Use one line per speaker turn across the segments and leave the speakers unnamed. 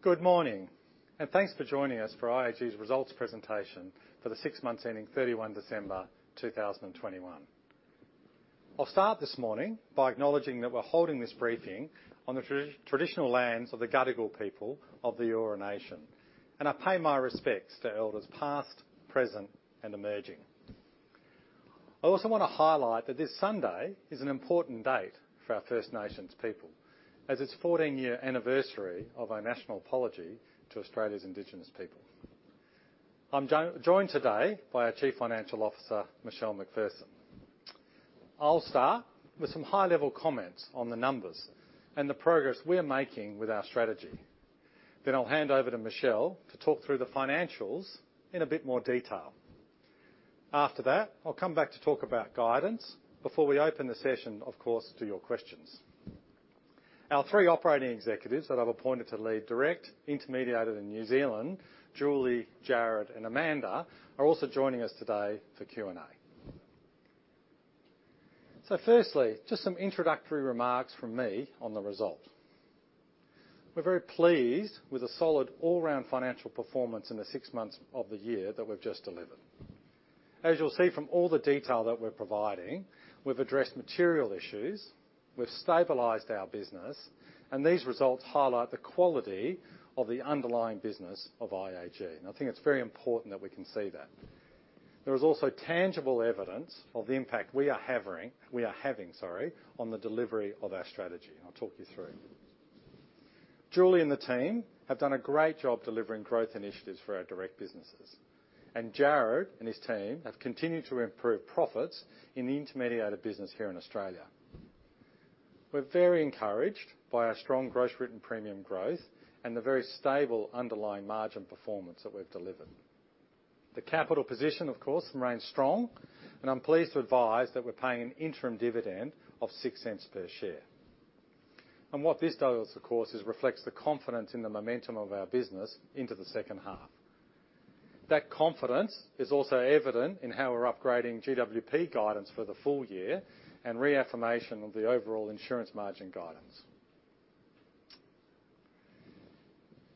Good morning, and thanks for joining us for IAG's results presentation for the six months ending 31 December 2021. I'll start this morning by acknowledging that we're holding this briefing on the traditional lands of the Gadigal people of the Eora Nation, and I pay my respects to elders past, present, and emerging. I also wanna highlight that this Sunday is an important date for our First Nations people, as it's 14-year anniversary of our National Apology to Australia's Indigenous people. I'm joined today by our Chief Financial Officer, Michelle McPherson. I'll start with some high-level comments on the numbers and the progress we are making with our strategy. Then I'll hand over to Michelle to talk through the financials in a bit more detail. After that, I'll come back to talk about guidance before we open the session, of course, to your questions. Our three operating executives that I've appointed to lead direct, intermediated in New Zealand, Julie, Jarrod, and Amanda are also joining us today for Q&A. Firstly, just some introductory remarks from me on the result. We're very pleased with the solid all-round financial performance in the six months of the year that we've just delivered. As you'll see from all the detail that we're providing, we've addressed material issues, we've stabilized our business, and these results highlight the quality of the underlying business of IAG, and I think it's very important that we can see that. There is also tangible evidence of the impact we are having, sorry, on the delivery of our strategy, and I'll talk you through. Julie and the team have done a great job delivering growth initiatives for our direct businesses. Jarrod and his team have continued to improve profits in the intermediated business here in Australia. We're very encouraged by our strong gross written premium growth and the very stable underlying margin performance that we've delivered. The capital position, of course, remains strong, and I'm pleased to advise that we're paying an interim dividend of 0.06 per share. What this does, of course, is reflects the confidence in the momentum of our business into the second half. That confidence is also evident in how we're upgrading GWP guidance for the full year and reaffirmation of the overall insurance margin guidance.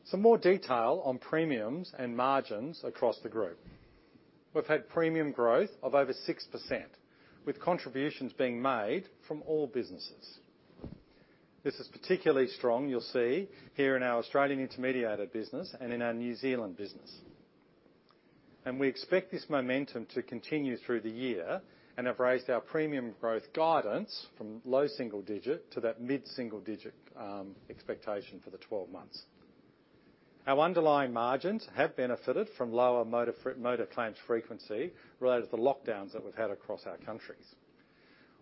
Some more detail on premiums and margins across the group. We've had premium growth of over 6%, with contributions being made from all businesses. This is particularly strong, you'll see, here in our Australian intermediated business and in our New Zealand business. We expect this momentum to continue through the year and have raised our premium growth guidance from low single digit to that mid-single digit expectation for the 12 months. Our underlying margins have benefited from lower motor claims frequency related to the lockdowns that we've had across our countries.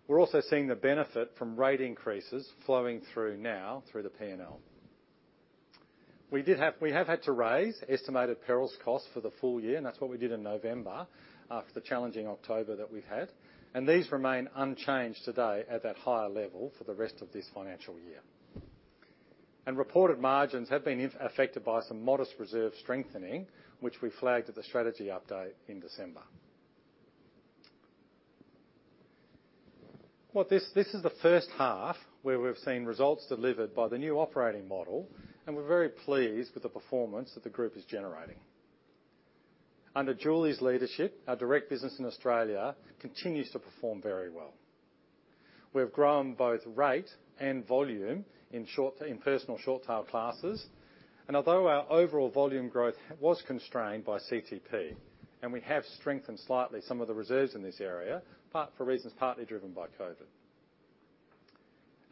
We're also seeing the benefit from rate increases flowing through now through the P&L. We have had to raise estimated perils costs for the full year, and that's what we did in November after the challenging October that we've had, and these remain unchanged today at that higher level for the rest of this financial year. Reported margins have been affected by some modest reserve strengthening, which we flagged at the strategy update in December. This is the first half where we've seen results delivered by the new operating model, and we're very pleased with the performance that the group is generating. Under Julie's leadership, our direct business in Australia continues to perform very well. We have grown both rate and volume in personal short tail classes, and although our overall volume growth was constrained by CTP, and we have strengthened slightly some of the reserves in this area, for reasons partly driven by COVID.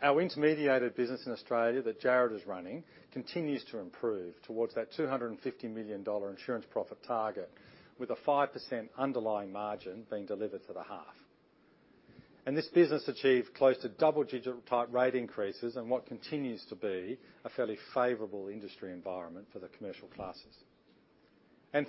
Our intermediated business in Australia that Jarrod is running continues to improve towards that 250 million dollar insurance profit target with a 5% underlying margin being delivered for the half. This business achieved close to double-digit rate increases in what continues to be a fairly favorable industry environment for the commercial classes.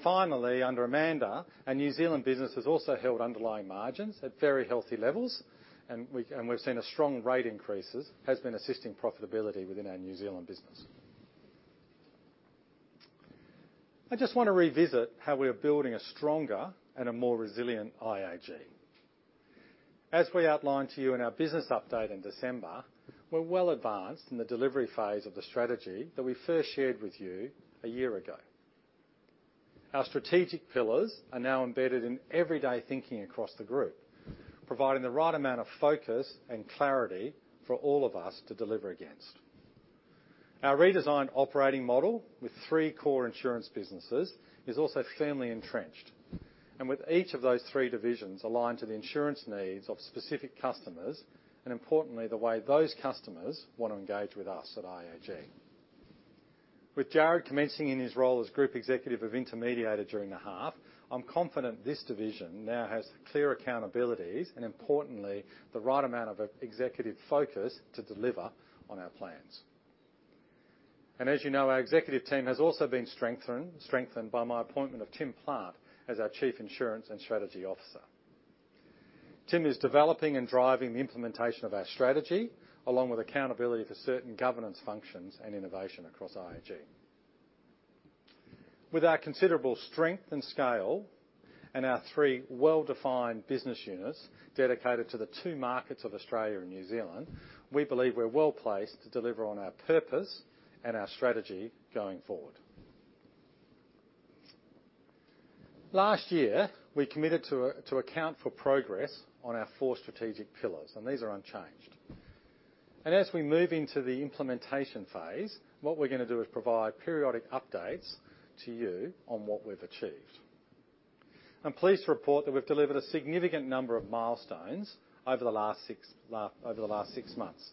Finally, under Amanda, our New Zealand business has also held underlying margins at very healthy levels, and we've seen a strong rate increases has been assisting profitability within our New Zealand business. I just wanna revisit how we are building a stronger and a more resilient IAG. As we outlined to you in our business update in December, we're well advanced in the delivery phase of the strategy that we first shared with you a year ago. Our strategic pillars are now embedded in everyday thinking across the group, providing the right amount of focus and clarity for all of us to deliver against. Our redesigned operating model with three core insurance businesses is also firmly entrenched, and with each of those three divisions aligned to the insurance needs of specific customers, and importantly, the way those customers wanna engage with us at IAG. With Jarrod commencing in his role as Group Executive of Intermediated during the half, I'm confident this division now has clear accountabilities, and importantly, the right amount of executive focus to deliver on our plans. As you know, our executive team has also been strengthened by my appointment of Tim Plant as our Chief Insurance and Strategy Officer. Tim is developing and driving the implementation of our strategy, along with accountability to certain governance functions and innovation across IAG. With our considerable strength and scale and our three well-defined business units dedicated to the two markets of Australia and New Zealand, we believe we're well-placed to deliver on our purpose and our strategy going forward. Last year, we committed to account for progress on our four strategic pillars, and these are unchanged. As we move into the implementation phase, what we're gonna do is provide periodic updates to you on what we've achieved. I'm pleased to report that we've delivered a significant number of milestones over the last six months.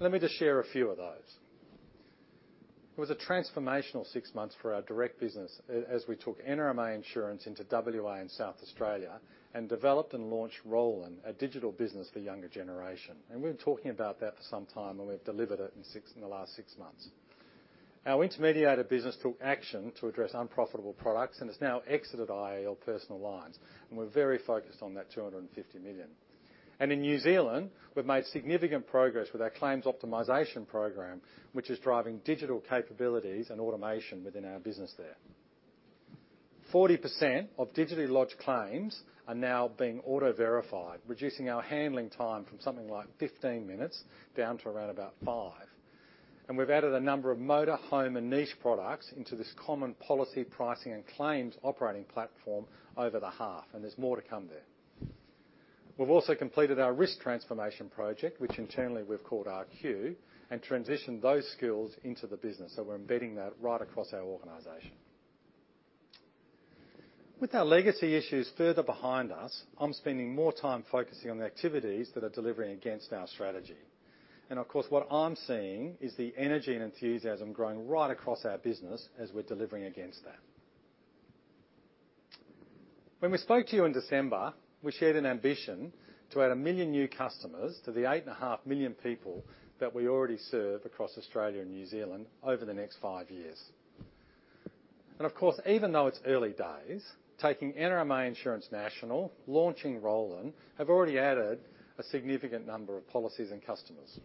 Let me just share a few of those. It was a transformational six months for our direct business as we took NRMA Insurance into WA and South Australia and developed and launched ROLLiN', a digital business for younger generation. We've been talking about that for some time, and we've delivered it in the last six months. Our intermediated business took action to address unprofitable products and has now exited IAL Personal Lines, and we're very focused on that 250 million. In New Zealand, we've made significant progress with our claims optimization program, which is driving digital capabilities and automation within our business there. 40% of digitally lodged claims are now being auto-verified, reducing our handling time from something like 15 minutes down to around about five. We've added a number of motor, home, and niche products into this common policy pricing and claims operating platform over the half, and there's more to come there. We've also completed our risk transformation project, which internally we've called RQ, and transitioned those skills into the business, so we're embedding that right across our organization. With our legacy issues further behind us, I'm spending more time focusing on the activities that are delivering against our strategy. Of course, what I'm seeing is the energy and enthusiasm growing right across our business as we're delivering against that. When we spoke to you in December, we shared an ambition to add 1 million new customers to the 8.5 million people that we already serve across Australia and New Zealand over the next five years. Of course, even though it's early days, taking NRMA Insurance national, launching ROLLiN', have already added a significant number of policies and customers.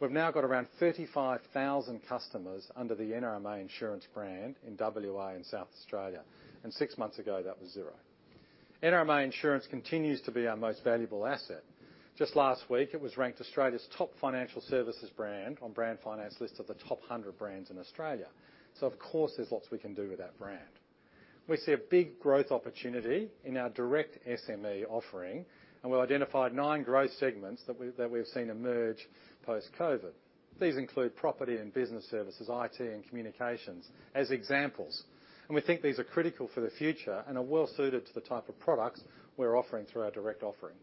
We've now got around 35,000 customers under the NRMA Insurance brand in WA and South Australia, and six months ago, that was zero. NRMA Insurance continues to be our most valuable asset. Just last week, it was ranked Australia's top financial services brand on Brand Finance list of the top 100 brands in Australia. Of course there's lots we can do with that brand. We see a big growth opportunity in our direct SME offering, and we identified nine growth segments that we've seen emerge post-COVID. These include property and business services, IT, and communications as examples, and we think these are critical for the future and are well suited to the type of products we're offering through our direct offering.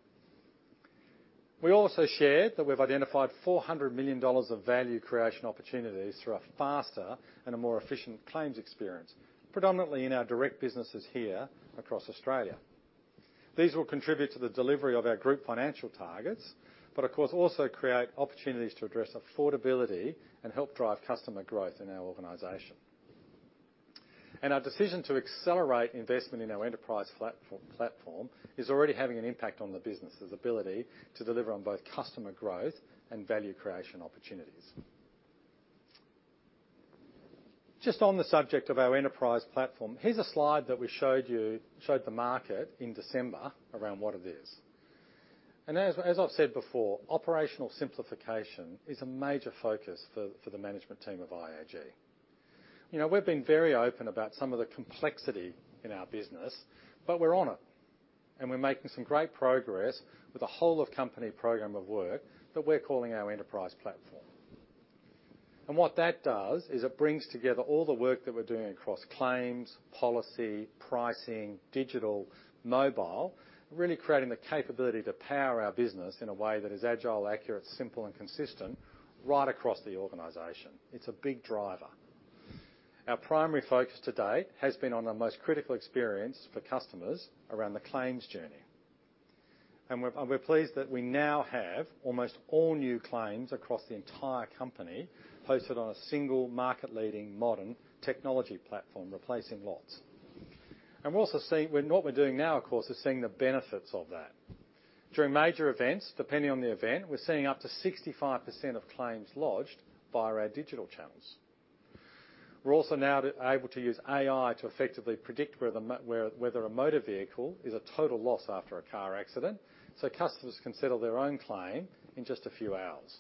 We also shared that we've identified 400 million dollars of value creation opportunities through a faster and a more efficient claims experience, predominantly in our direct businesses here across Australia. These will contribute to the delivery of our group financial targets, but of course also create opportunities to address affordability and help drive customer growth in our organization. Our decision to accelerate investment in our Enterprise Platform is already having an impact on the business's ability to deliver on both customer growth and value creation opportunities. Just on the subject of our Enterprise Platform, here's a slide that we showed the market in December around what it is. As I've said before, operational simplification is a major focus for the management team of IAG. You know, we've been very open about some of the complexity in our business, but we're on it, and we're making some great progress with the whole of company program of work that we're calling our Enterprise Platform. What that does is it brings together all the work that we're doing across claims, policy, pricing, digital, mobile, really creating the capability to power our business in a way that is agile, accurate, simple and consistent right across the organization. It's a big driver. Our primary focus today has been on the most critical experience for customers around the claims journey. We're pleased that we now have almost all new claims across the entire company hosted on a single market-leading modern technology platform, replacing lots. We're also seeing what we're doing now, of course, is seeing the benefits of that. During major events, depending on the event, we're seeing up to 65% of claims lodged via our digital channels. We're also now able to use AI to effectively predict whether a motor vehicle is a total loss after a car accident, so customers can settle their own claim in just a few hours.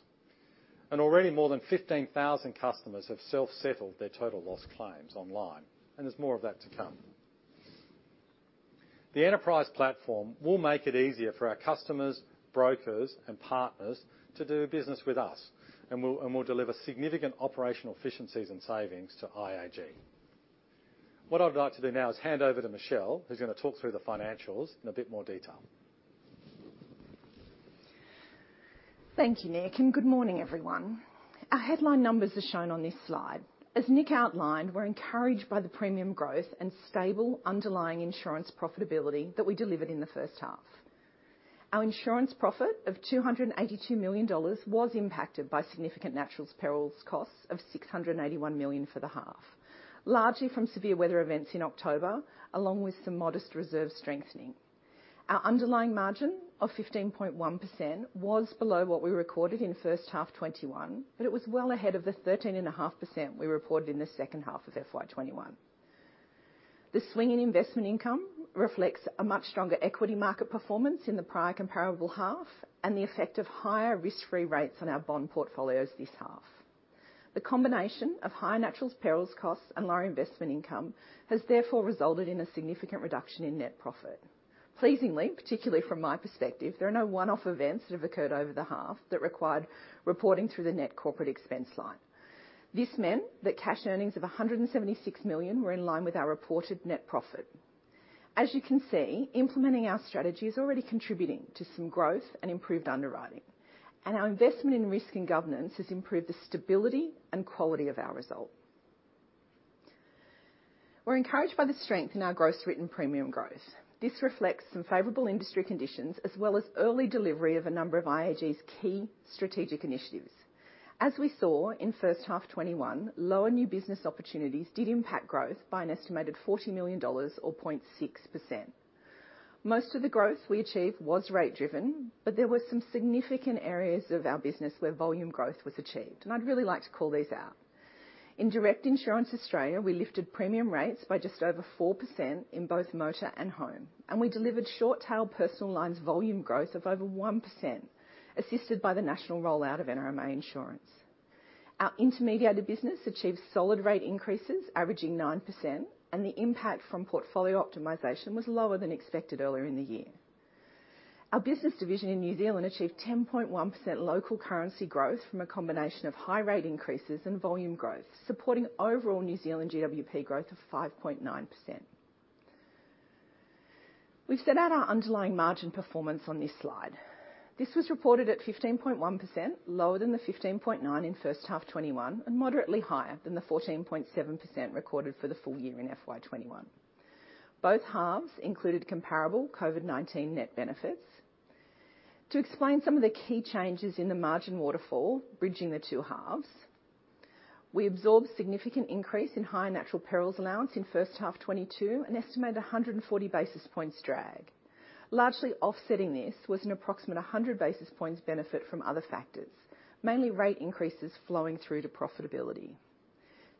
Already more than 15,000 customers have self-settled their total loss claims online, and there's more of that to come. The Enterprise Platform will make it easier for our customers, brokers, and partners to do business with us, and will deliver significant operational efficiencies and savings to IAG. What I'd like to do now is hand over to Michelle, who's gonna talk through the financials in a bit more detail.
Thank you, Nick, and good morning, everyone. Our headline numbers are shown on this slide. As Nick outlined, we're encouraged by the premium growth and stable underlying insurance profitability that we delivered in the first half. Our insurance profit of 282 million dollars was impacted by significant natural perils costs of 681 million for the half, largely from severe weather events in October, along with some modest reserve strengthening. Our underlying margin of 15.1% was below what we recorded in the first half 2021, but it was well ahead of the 13.5% we reported in the second half of FY 2021. The swing in investment income reflects a much stronger equity market performance in the prior comparable half and the effect of higher risk-free rates on our bond portfolios this half. The combination of high natural perils costs and lower investment income has therefore resulted in a significant reduction in net profit. Pleasingly, particularly from my perspective, there are no one-off events that have occurred over the half that required reporting through the net corporate expense line. This meant that cash earnings of 176 million were in line with our reported net profit. As you can see, implementing our strategy is already contributing to some growth and improved underwriting, and our investment in risk and governance has improved the stability and quality of our result. We're encouraged by the strength in our gross written premium growth. This reflects some favorable industry conditions as well as early delivery of a number of IAG's key strategic initiatives. As we saw in first half 2021, lower new business opportunities did impact growth by an estimated 40 million dollars or 0.6%. Most of the growth we achieved was rate driven, but there were some significant areas of our business where volume growth was achieved, and I'd really like to call these out. In Direct Insurance Australia, we lifted premium rates by just over 4% in both motor and home, and we delivered short tail personal lines volume growth of over 1%, assisted by the national rollout of NRMA Insurance. Our intermediated business achieved solid rate increases averaging 9%, and the impact from portfolio optimization was lower than expected earlier in the year. Our business division in New Zealand achieved 10.1% local currency growth from a combination of high rate increases and volume growth, supporting overall New Zealand GWP growth of 5.9%. We've set out our underlying margin performance on this slide. This was reported at 15.1%, lower than the 15.9% in first half 2021, and moderately higher than the 14.7% recorded for the full year in FY 2021. Both halves included comparable COVID-19 net benefits. To explain some of the key changes in the margin waterfall bridging the two halves, we absorbed significant increase in high natural perils allowance in first half 2022, an estimated 140 basis points drag. Largely offsetting this was an approximate 100 basis points benefit from other factors, mainly rate increases flowing through to profitability.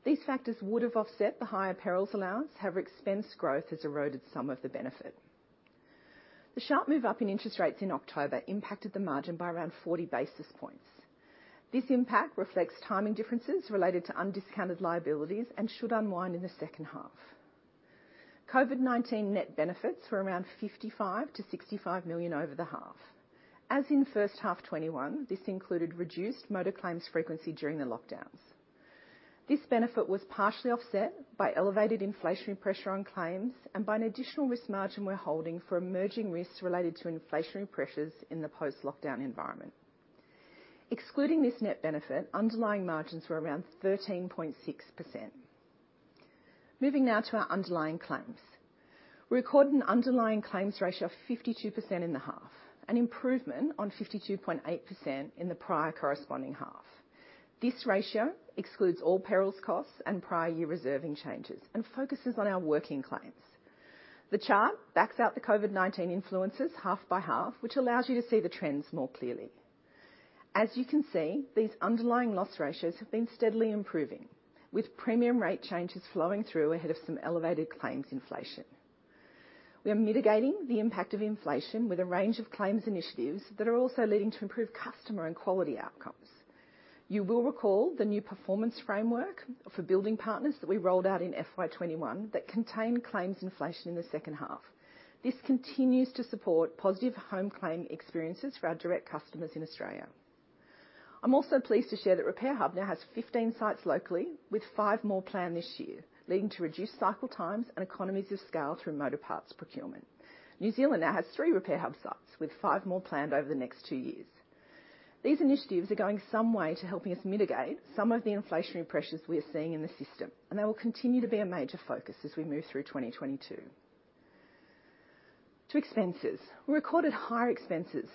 These factors would have offset the higher perils allowance. However, expense growth has eroded some of the benefit. The sharp move up in interest rates in October impacted the margin by around 40 basis points. This impact reflects timing differences related to undiscounted liabilities and should unwind in the second half. COVID-19 net benefits were around 55-65 million over the half. As in first half 2021, this included reduced motor claims frequency during the lockdowns. This benefit was partially offset by elevated inflationary pressure on claims and by an additional risk margin we're holding for emerging risks related to inflationary pressures in the post-lockdown environment. Excluding this net benefit, underlying margins were around 13.6%. Moving now to our underlying claims. We recorded an underlying claims ratio of 52% in the half, an improvement on 52.8% in the prior corresponding half. This ratio excludes all perils costs and prior year reserving changes and focuses on our working claims. The chart backs out the COVID-19 influences half by half, which allows you to see the trends more clearly. As you can see, these underlying loss ratios have been steadily improving, with premium rate changes flowing through ahead of some elevated claims inflation. We are mitigating the impact of inflation with a range of claims initiatives that are also leading to improved customer and quality outcomes. You will recall the new performance framework for building partners that we rolled out in FY 2021 that contained claims inflation in the second half. This continues to support positive home claim experiences for our direct customers in Australia. I'm also pleased to share that Repair Hub now has 15 sites locally with five more planned this year, leading to reduced cycle times and economies of scale through motor parts procurement. New Zealand now has 3 Repair Hub sites, with 5 more planned over the next two years. These initiatives are going some way to helping us mitigate some of the inflationary pressures we are seeing in the system, and they will continue to be a major focus as we move through 2022. To expenses. We recorded higher expenses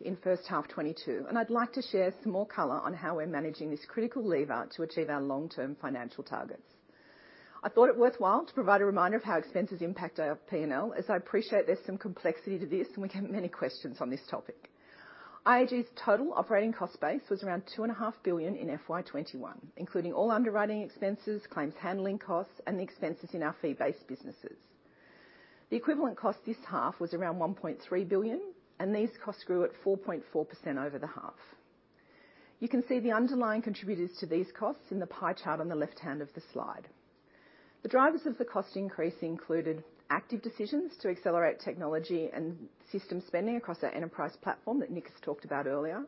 in first half 2022, and I'd like to share some more color on how we're managing this critical lever to achieve our long-term financial targets. I thought it worthwhile to provide a reminder of how expenses impact our P&L, as I appreciate there's some complexity to this, and we get many questions on this topic. IAG's total operating cost base was around 2.5 billion in FY 2021, including all underwriting expenses, claims handling costs, and the expenses in our fee-based businesses. The equivalent cost this half was around 1.3 billion, and these costs grew at 4.4% over the half. You can see the underlying contributors to these costs in the pie chart on the left hand of the slide. The drivers of the cost increase included active decisions to accelerate technology and system spending across our Enterprise Platform that Nick's talked about earlier.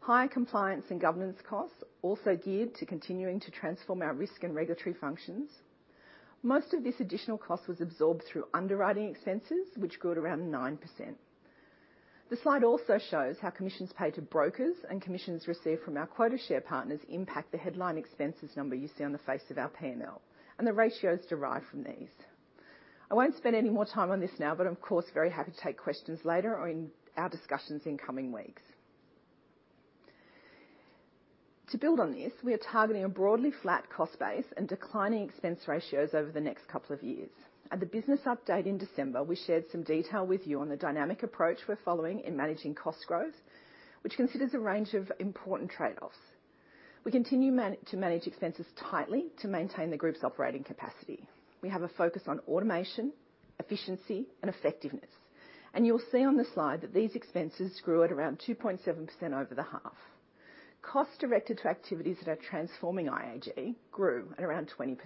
Higher compliance and governance costs also geared to continuing to transform our risk and regulatory functions. Most of this additional cost was absorbed through underwriting expenses, which grew at around 9%. The slide also shows how commissions paid to brokers and commissions received from our quota share partners impact the headline expenses number you see on the face of our P&L and the ratios derived from these. I won't spend any more time on this now, but of course, very happy to take questions later or in our discussions in coming weeks. To build on this, we are targeting a broadly flat cost base and declining expense ratios over the next couple of years. At the business update in December, we shared some detail with you on the dynamic approach we're following in managing cost growth, which considers a range of important trade-offs. We continue to manage expenses tightly to maintain the group's operating capacity. We have a focus on automation, efficiency, and effectiveness. You'll see on the slide that these expenses grew at around 2.7% over the half. Costs directed to activities that are transforming IAG grew at around 20%.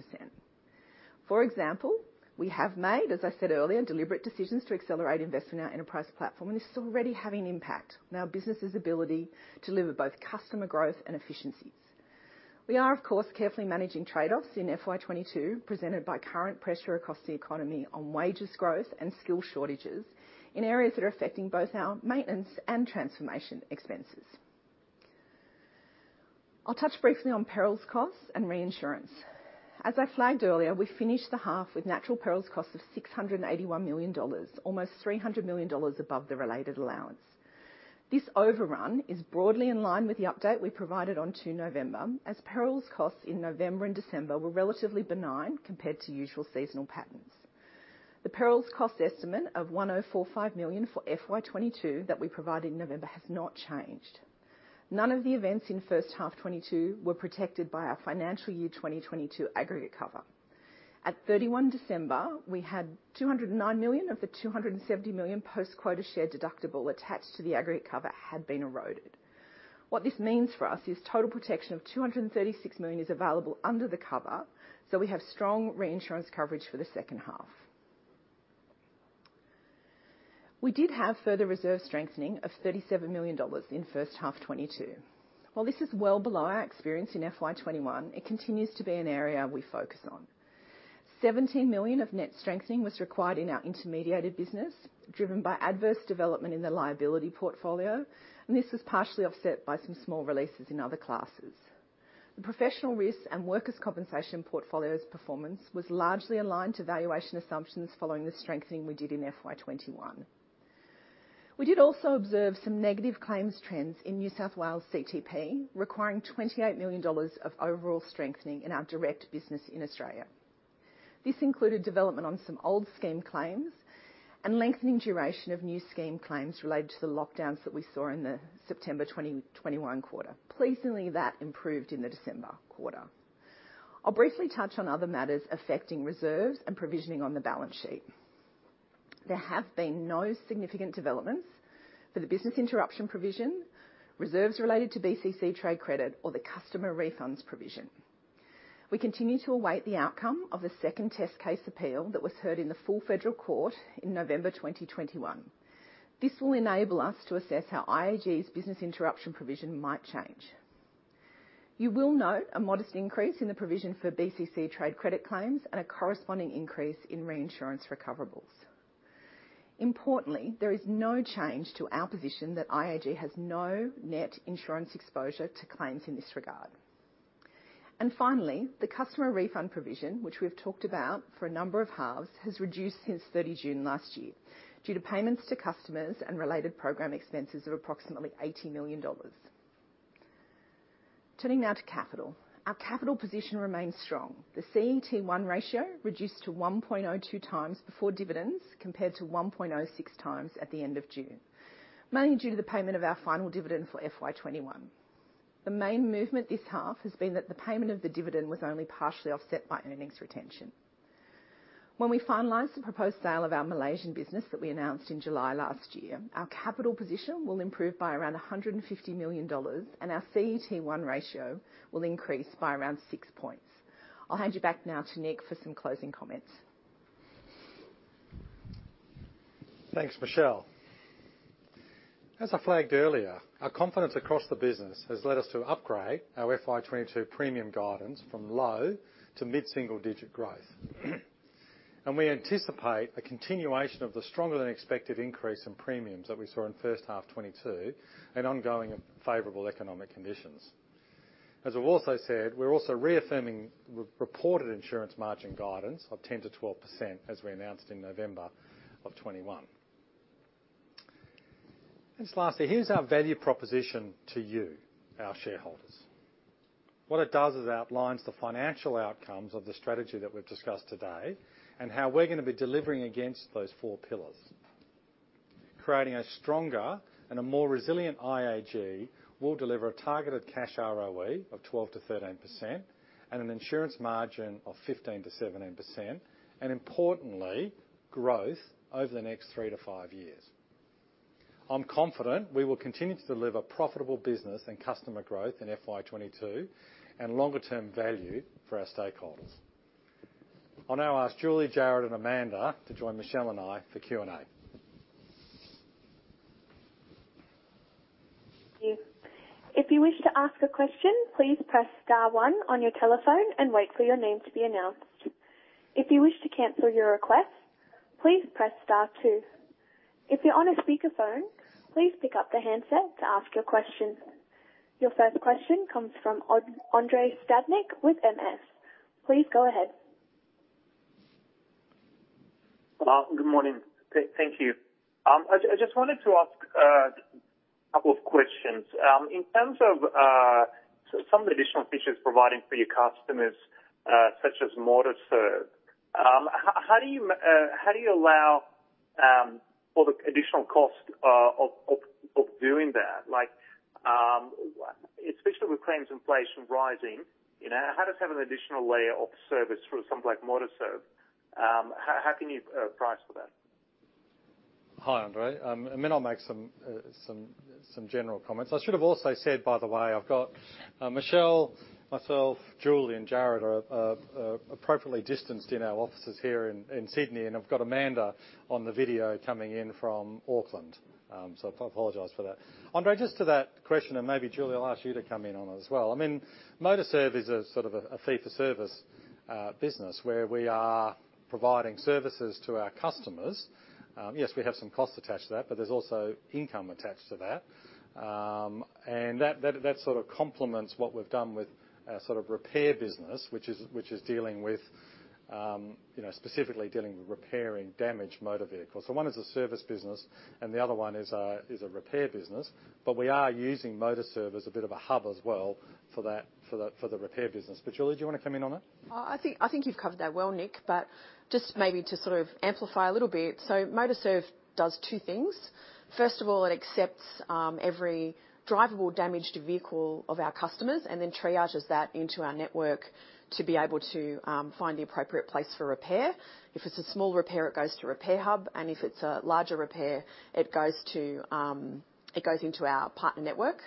For example, we have made, as I said earlier, deliberate decisions to accelerate investment in our Enterprise Platform, and this is already having an impact on our business's ability to deliver both customer growth and efficiencies. We are, of course, carefully managing trade-offs in FY 2022 presented by current pressure across the economy on wages growth and skill shortages in areas that are affecting both our maintenance and transformation expenses. I'll touch briefly on perils costs and reinsurance. As I flagged earlier, we finished the half with natural perils costs of 681 million dollars, almost 300 million dollars above the related allowance. This overrun is broadly in line with the update we provided on 2 November, as perils costs in November and December were relatively benign compared to usual seasonal patterns. The perils cost estimate of 104.5 million for FY 2022 that we provided in November has not changed. None of the events in first half 2022 were protected by our financial year 2022 aggregate cover. At 31 December, we had 209 million of the 270 million post-quota share deductible attached to the aggregate cover had been eroded. What this means for us is total protection of 236 million is available under the cover, so we have strong reinsurance coverage for the second half. We did have further reserve strengthening of 37 million dollars in first half 2022. While this is well below our experience in FY 2021, it continues to be an area we focus on. 17 million of net strengthening was required in our intermediated business, driven by adverse development in the liability portfolio, and this was partially offset by some small releases in other classes. The professional risks and workers' compensation portfolio's performance was largely aligned to valuation assumptions following the strengthening we did in FY 2021. We did also observe some negative claims trends in New South Wales CTP, requiring 28 million dollars of overall strengthening in our direct business in Australia. This included development on some old scheme claims and lengthening duration of new scheme claims related to the lockdowns that we saw in the September 2021 quarter. Pleasingly, that improved in the December quarter. I'll briefly touch on other matters affecting reserves and provisioning on the balance sheet. There have been no significant developments for the business interruption provision, reserves related to BCC trade credit or the customer refund provision. We continue to await the outcome of the Second Test Case appeal that was heard in the Full Federal Court in November 2021. This will enable us to assess how IAG's business interruption provision might change. You will note a modest increase in the provision for BCC trade credit claims and a corresponding increase in reinsurance recoverables. Importantly, there is no change to our position that IAG has no net insurance exposure to claims in this regard. Finally, the customer refund provision, which we've talked about for a number of halves, has reduced since 30 June last year due to payments to customers and related program expenses of approximately 80 million dollars. Turning now to capital. Our capital position remains strong. The CET1 ratio reduced to 1.2x before dividends compared to 1.06x at the end of June, mainly due to the payment of our final dividend for FY 2021. The main movement this half has been that the payment of the dividend was only partially offset by earnings retention. When we finalize the proposed sale of our Malaysian business that we announced in July last year, our capital position will improve by around 150 million dollars, and our CET1 ratio will increase by around six points. I'll hand you back now to Nick for some closing comments.
Thanks, Michelle. As I flagged earlier, our confidence across the business has led us to upgrade our FY 2022 premium guidance from low- to mid-single-digit growth. We anticipate a continuation of the stronger than expected increase in premiums that we saw in first half 2022 and ongoing favorable economic conditions. As I've also said, we're also reaffirming reported insurance margin guidance of 10%-12% as we announced in November 2021. Lastly, here's our value proposition to you, our shareholders. What it does is outlines the financial outcomes of the strategy that we've discussed today and how we're gonna be delivering against those four pillars. Creating a stronger and a more resilient IAG will deliver a targeted cash ROE of 12%-13% and an insurance margin of 15%-17%, and importantly, growth over the next 3-5 years. I'm confident we will continue to deliver profitable business and customer growth in FY 2022 and longer term value for our stakeholders. I'll now ask Julie, Jarrod, and Amanda to join Michelle and I for Q&A.
Thank you. If you wish to ask a question, please press star one on your telephone and wait for your name to be announced. If you wish to cancel your request, please press star two. If you're on a speakerphone, please pick up the handset to ask your question. Your first question comes from Andrei Stadnik with MS. Please go ahead.
Good morning. Thank you. I just wanted to ask a couple of questions. In terms of some of the additional features providing for your customers, such as Motorserve. How do you allow for the additional cost of doing that? Like, especially with claims inflation rising, you know, how does having an additional layer of service through something like Motorserve, how can you price for that?
Hi, Andrei. I'll make some general comments. I should have also said, by the way, I've got Michelle, myself, Julie, and Jarrod are appropriately distanced in our offices here in Sydney, and I've got Amanda on the video coming in from Auckland. I apologize for that. Andrei, just to that question, and maybe Julie, I'll ask you to come in on it as well. I mean, Motorserve is a sort of a fee-for-service business where we are providing services to our customers. Yes, we have some costs attached to that, but there's also income attached to that. That sort of complements what we've done with our sort of repair business, which is dealing with you know, specifically dealing with repairing damaged motor vehicles. One is a service business, and the other one is a repair business. We are using Motorserve as a bit of a hub as well for that, for the repair business. Julie, do you wanna come in on it?
I think you've covered that well, Nick, but just maybe to sort of amplify a little bit. Motorserve does two things. First of all, it accepts every drivable damaged vehicle of our customers and then triages that into our network to be able to find the appropriate place for repair. If it's a small repair, it goes to Repair Hub, and if it's a larger repair, it goes into our partner network.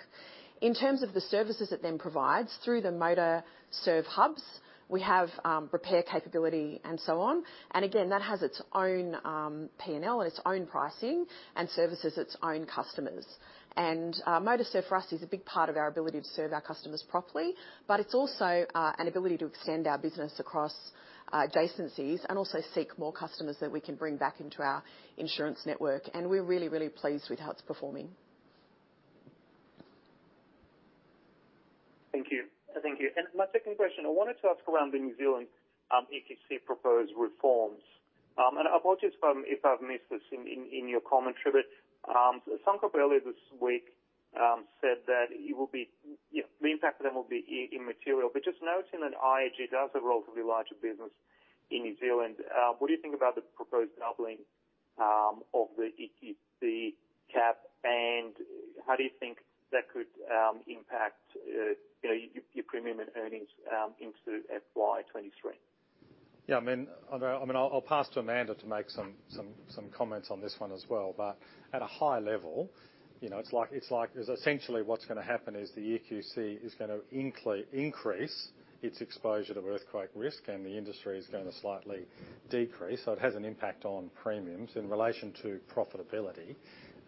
In terms of the services it then provides through the Motorserve hubs, we have repair capability and so on. That has its own P&L and its own pricing and services its own customers.
Motorserve for us is a big part of our ability to serve our customers properly, but it's also an ability to extend our business across adjacencies and also seek more customers that we can bring back into our insurance network. We're really, really pleased with how it's performing.
Thank you. My second question, I wanted to ask around the New Zealand EQC proposed reforms. Apologies if I've missed this in your comments here, but Suncorp earlier this week said that it will be you know the impact of them will be immaterial. Just noting that IAG does have a relatively larger business in New Zealand, what do you think about the proposed doubling of the EQC cap and how do you think that could impact you know your premium and earnings into FY 2023?
Yeah, I mean, I know. I mean, I'll pass to Amanda to make some comments on this one as well. At a high level, you know, it's like essentially what's gonna happen is the EQC is gonna increase its exposure to earthquake risk, and the industry is gonna slightly decrease. It has an impact on premiums. In relation to profitability,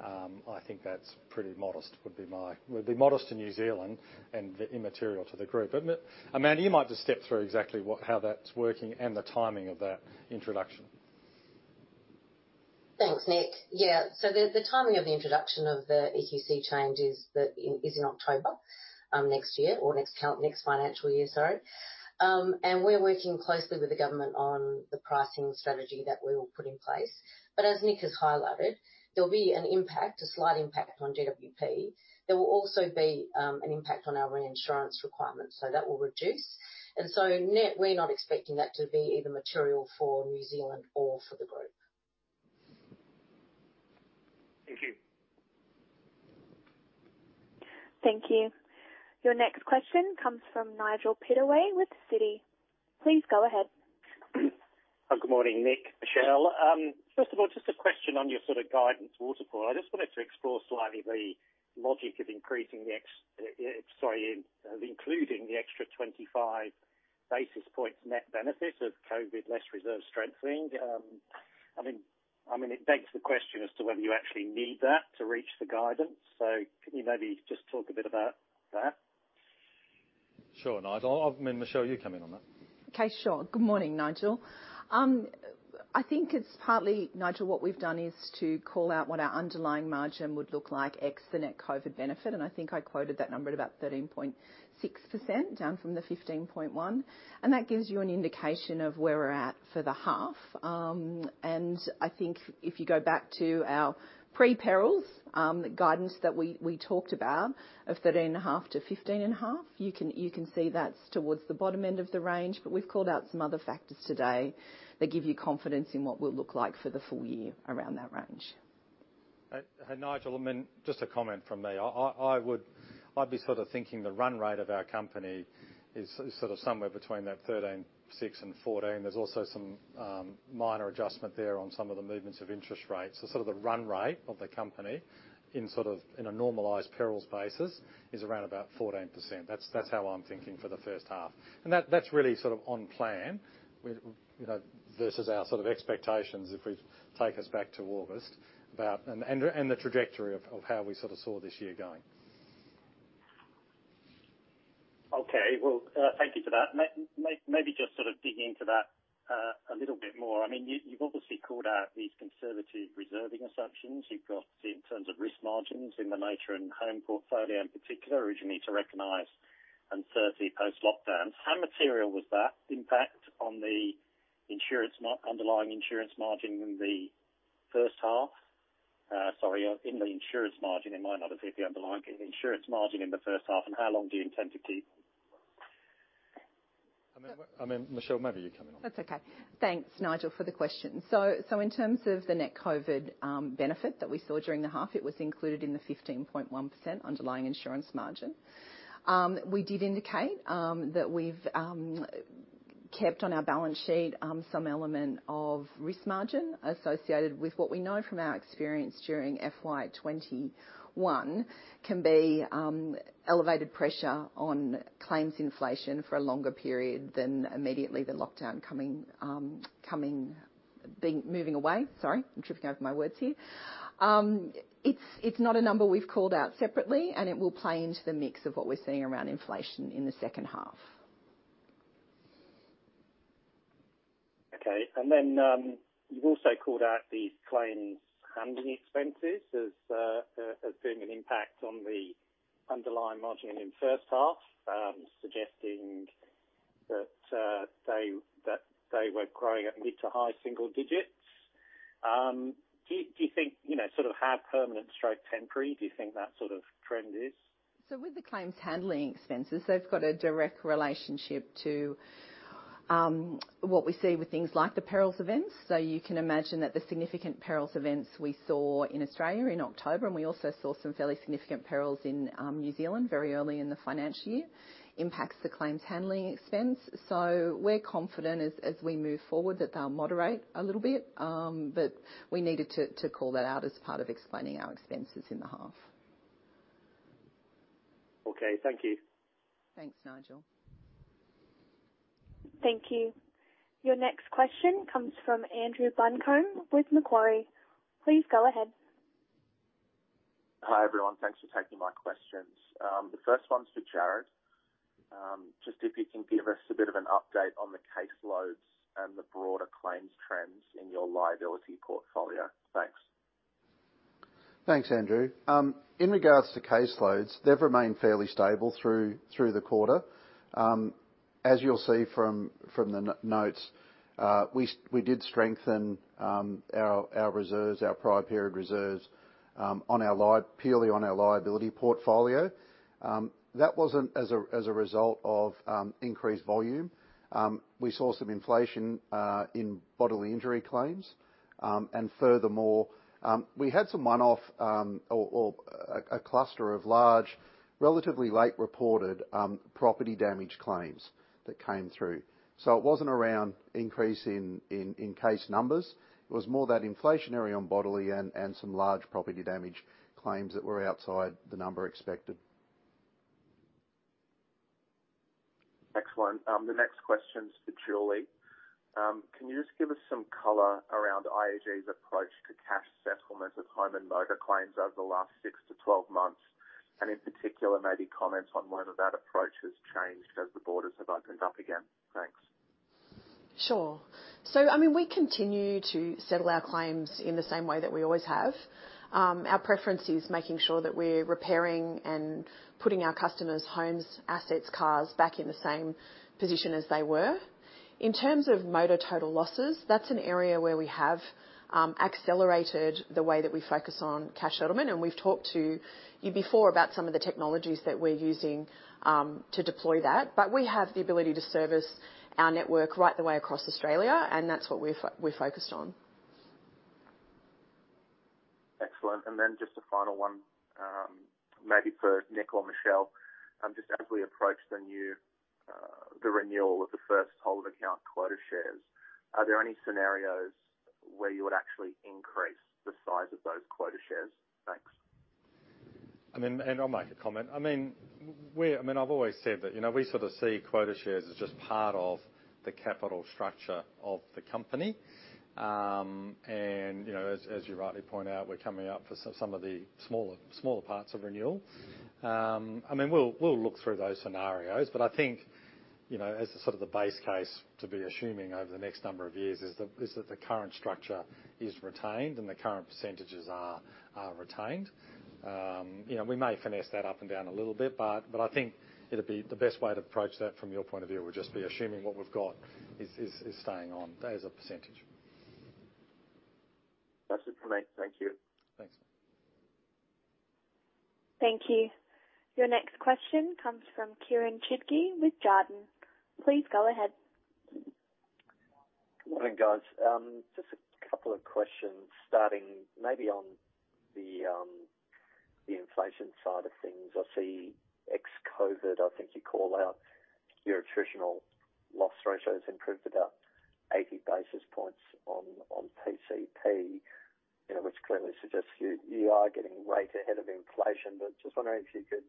I think that's pretty modest, would be modest to New Zealand and immaterial to the group. Amanda, you might just step through exactly how that's working and the timing of that introduction.
Thanks, Nick. Yeah. The timing of the introduction of the EQC change is in October, next year or next financial year, sorry. We're working closely with the government on the pricing strategy that we will put in place. As Nick has highlighted, there'll be an impact, a slight impact on GWP. There will also be an impact on our reinsurance requirements. That will reduce. Nick, we're not expecting that to be either material for New Zealand or for the group.
Thank you.
Thank you. Your next question comes from Nigel Pittaway with Citi. Please go ahead.
Good morning, Nick, Michelle. First of all, just a question on your sort of guidance waterfall. I just wanted to explore slightly the logic of increasing the inclusion of the extra 25 basis points net benefit of COVID less reserve strengthening. I mean, it begs the question as to whether you actually need that to reach the guidance. Can you maybe just talk a bit about that?
Sure, Nigel. I mean, Michelle, you come in on that.
Okay, sure. Good morning, Nigel. I think it's partly, Nigel, what we've done is to call out what our underlying margin would look like ex the net COVID benefit, and I think I quoted that number at about 13.6%, down from the 15.1%, and that gives you an indication of where we're at for the half. I think if you go back to our pre-perils guidance that we talked about of 13.5%-15.5%, you can see that's towards the bottom end of the range. We've called out some other factors today that give you confidence in what we'll look like for the full year around that range.
Nigel, I mean, just a comment from me. I'd be sort of thinking the run rate of our company is sort of somewhere between 13.6 and 14. There's also some minor adjustment there on some of the movements of interest rates. So sort of the run rate of the company in sort of, in a normalized perils basis is around 14%. That's how I'm thinking for the first half. And that's really sort of on plan with, you know, versus our sort of expectations if we take us back to August about and the trajectory of how we sort of saw this year going.
Okay. Well, thank you for that. Maybe just sort of digging into that a little bit more. I mean, you've obviously called out these conservative reserving assumptions. You've got in terms of risk margins in the motor and home portfolio in particular, where you need to recognize uncertainty post-lockdown. How material was that impact on the underlying insurance margin in the first half? In the insurance margin, it might not have been the underlying, but the insurance margin in the first half, and how long do you intend to keep?
I mean, Michelle, maybe you comment on that.
That's okay. Thanks, Nigel, for the question. In terms of the net COVID benefit that we saw during the half, it was included in the 15.1% underlying insurance margin. We did indicate that we've kept on our balance sheet some element of risk margin associated with what we know from our experience during FY 2021 can be elevated pressure on claims inflation for a longer period than immediately the lockdown moving away. Sorry, I'm tripping over my words here. It's not a number we've called out separately, and it will play into the mix of what we're seeing around inflation in the second half.
Okay. You've also called out the claims handling expenses as being an impact on the underlying margin in first half, suggesting that they were growing at mid- to high-single digits. Do you think, you know, sort of how permanent/temporary do you think that sort of trend is?
With the claims handling expenses, they've got a direct relationship to what we see with things like the perils events. You can imagine that the significant perils events we saw in Australia in October, and we also saw some fairly significant perils in New Zealand very early in the financial year, impacts the claims handling expense. We're confident as we move forward that they'll moderate a little bit. We needed to call that out as part of explaining our expenses in the half.
Okay. Thank you.
Thanks, Nigel.
Thank you. Your next question comes from Andrew Buncombe with Macquarie. Please go ahead.
Hi, everyone. Thanks for taking my questions. The first one's for Jarrod. Just if you can give us a bit of an update on the caseloads and the broader claims trends in your liability portfolio. Thanks.
Thanks, Andrew. In regards to caseloads, they've remained fairly stable through the quarter. As you'll see from the notes, we did strengthen our reserves, our prior period reserves, purely on our liability portfolio. That wasn't as a result of increased volume. We saw some inflation in bodily injury claims. Furthermore, we had some one-off or a cluster of large, relatively late reported property damage claims that came through. It wasn't around increase in case numbers. It was more that inflationary on bodily and some large property damage claims that were outside the number expected.
Excellent. The next question is for Julie. Can you just give us some color around IAG's approach to cash settlement of home and motor claims over the last six to 12 months? In particular, maybe comment on whether that approach has changed as the borders have opened up again. Thanks.
Sure. I mean, we continue to settle our claims in the same way that we always have. Our preference is making sure that we're repairing and putting our customers' homes, assets, cars back in the same position as they were. In terms of motor total losses, that's an area where we have accelerated the way that we focus on cash settlement, and we've talked to you before about some of the technologies that we're using to deploy that. But we have the ability to service our network right the way across Australia, and that's what we're focused on.
Excellent. Just a final one, maybe for Nick or Michelle. Just as we approach the new, the renewal of the first holder account quota shares, are there any scenarios where you would actually increase the size of those quota shares? Thanks.
I mean, I'll make a comment. I mean, I've always said that, you know, we sort of see quota shares as just part of the capital structure of the company. You know, as you rightly point out, we're coming up for some of the smaller parts of renewal. I mean, we'll look through those scenarios, but I think, you know, as the sort of the base case to be assuming over the next number of years is that the current structure is retained and the current percentages are retained. You know, we may finesse that up and down a little bit, but I think it'd be the best way to approach that from your point of view, would just be assuming what we've got is staying on as a percentage.
That's it for me. Thank you.
Thanks.
Thank you. Your next question comes from Kieren Chidgey with Jarden. Please go ahead.
Good morning, guys. Just a couple of questions starting maybe on the inflation side of things. I see ex-COVID, I think you call out your attritional loss ratio has improved about 80 basis points on PCP, you know, which clearly suggests you are getting rate ahead of inflation. Just wondering if you could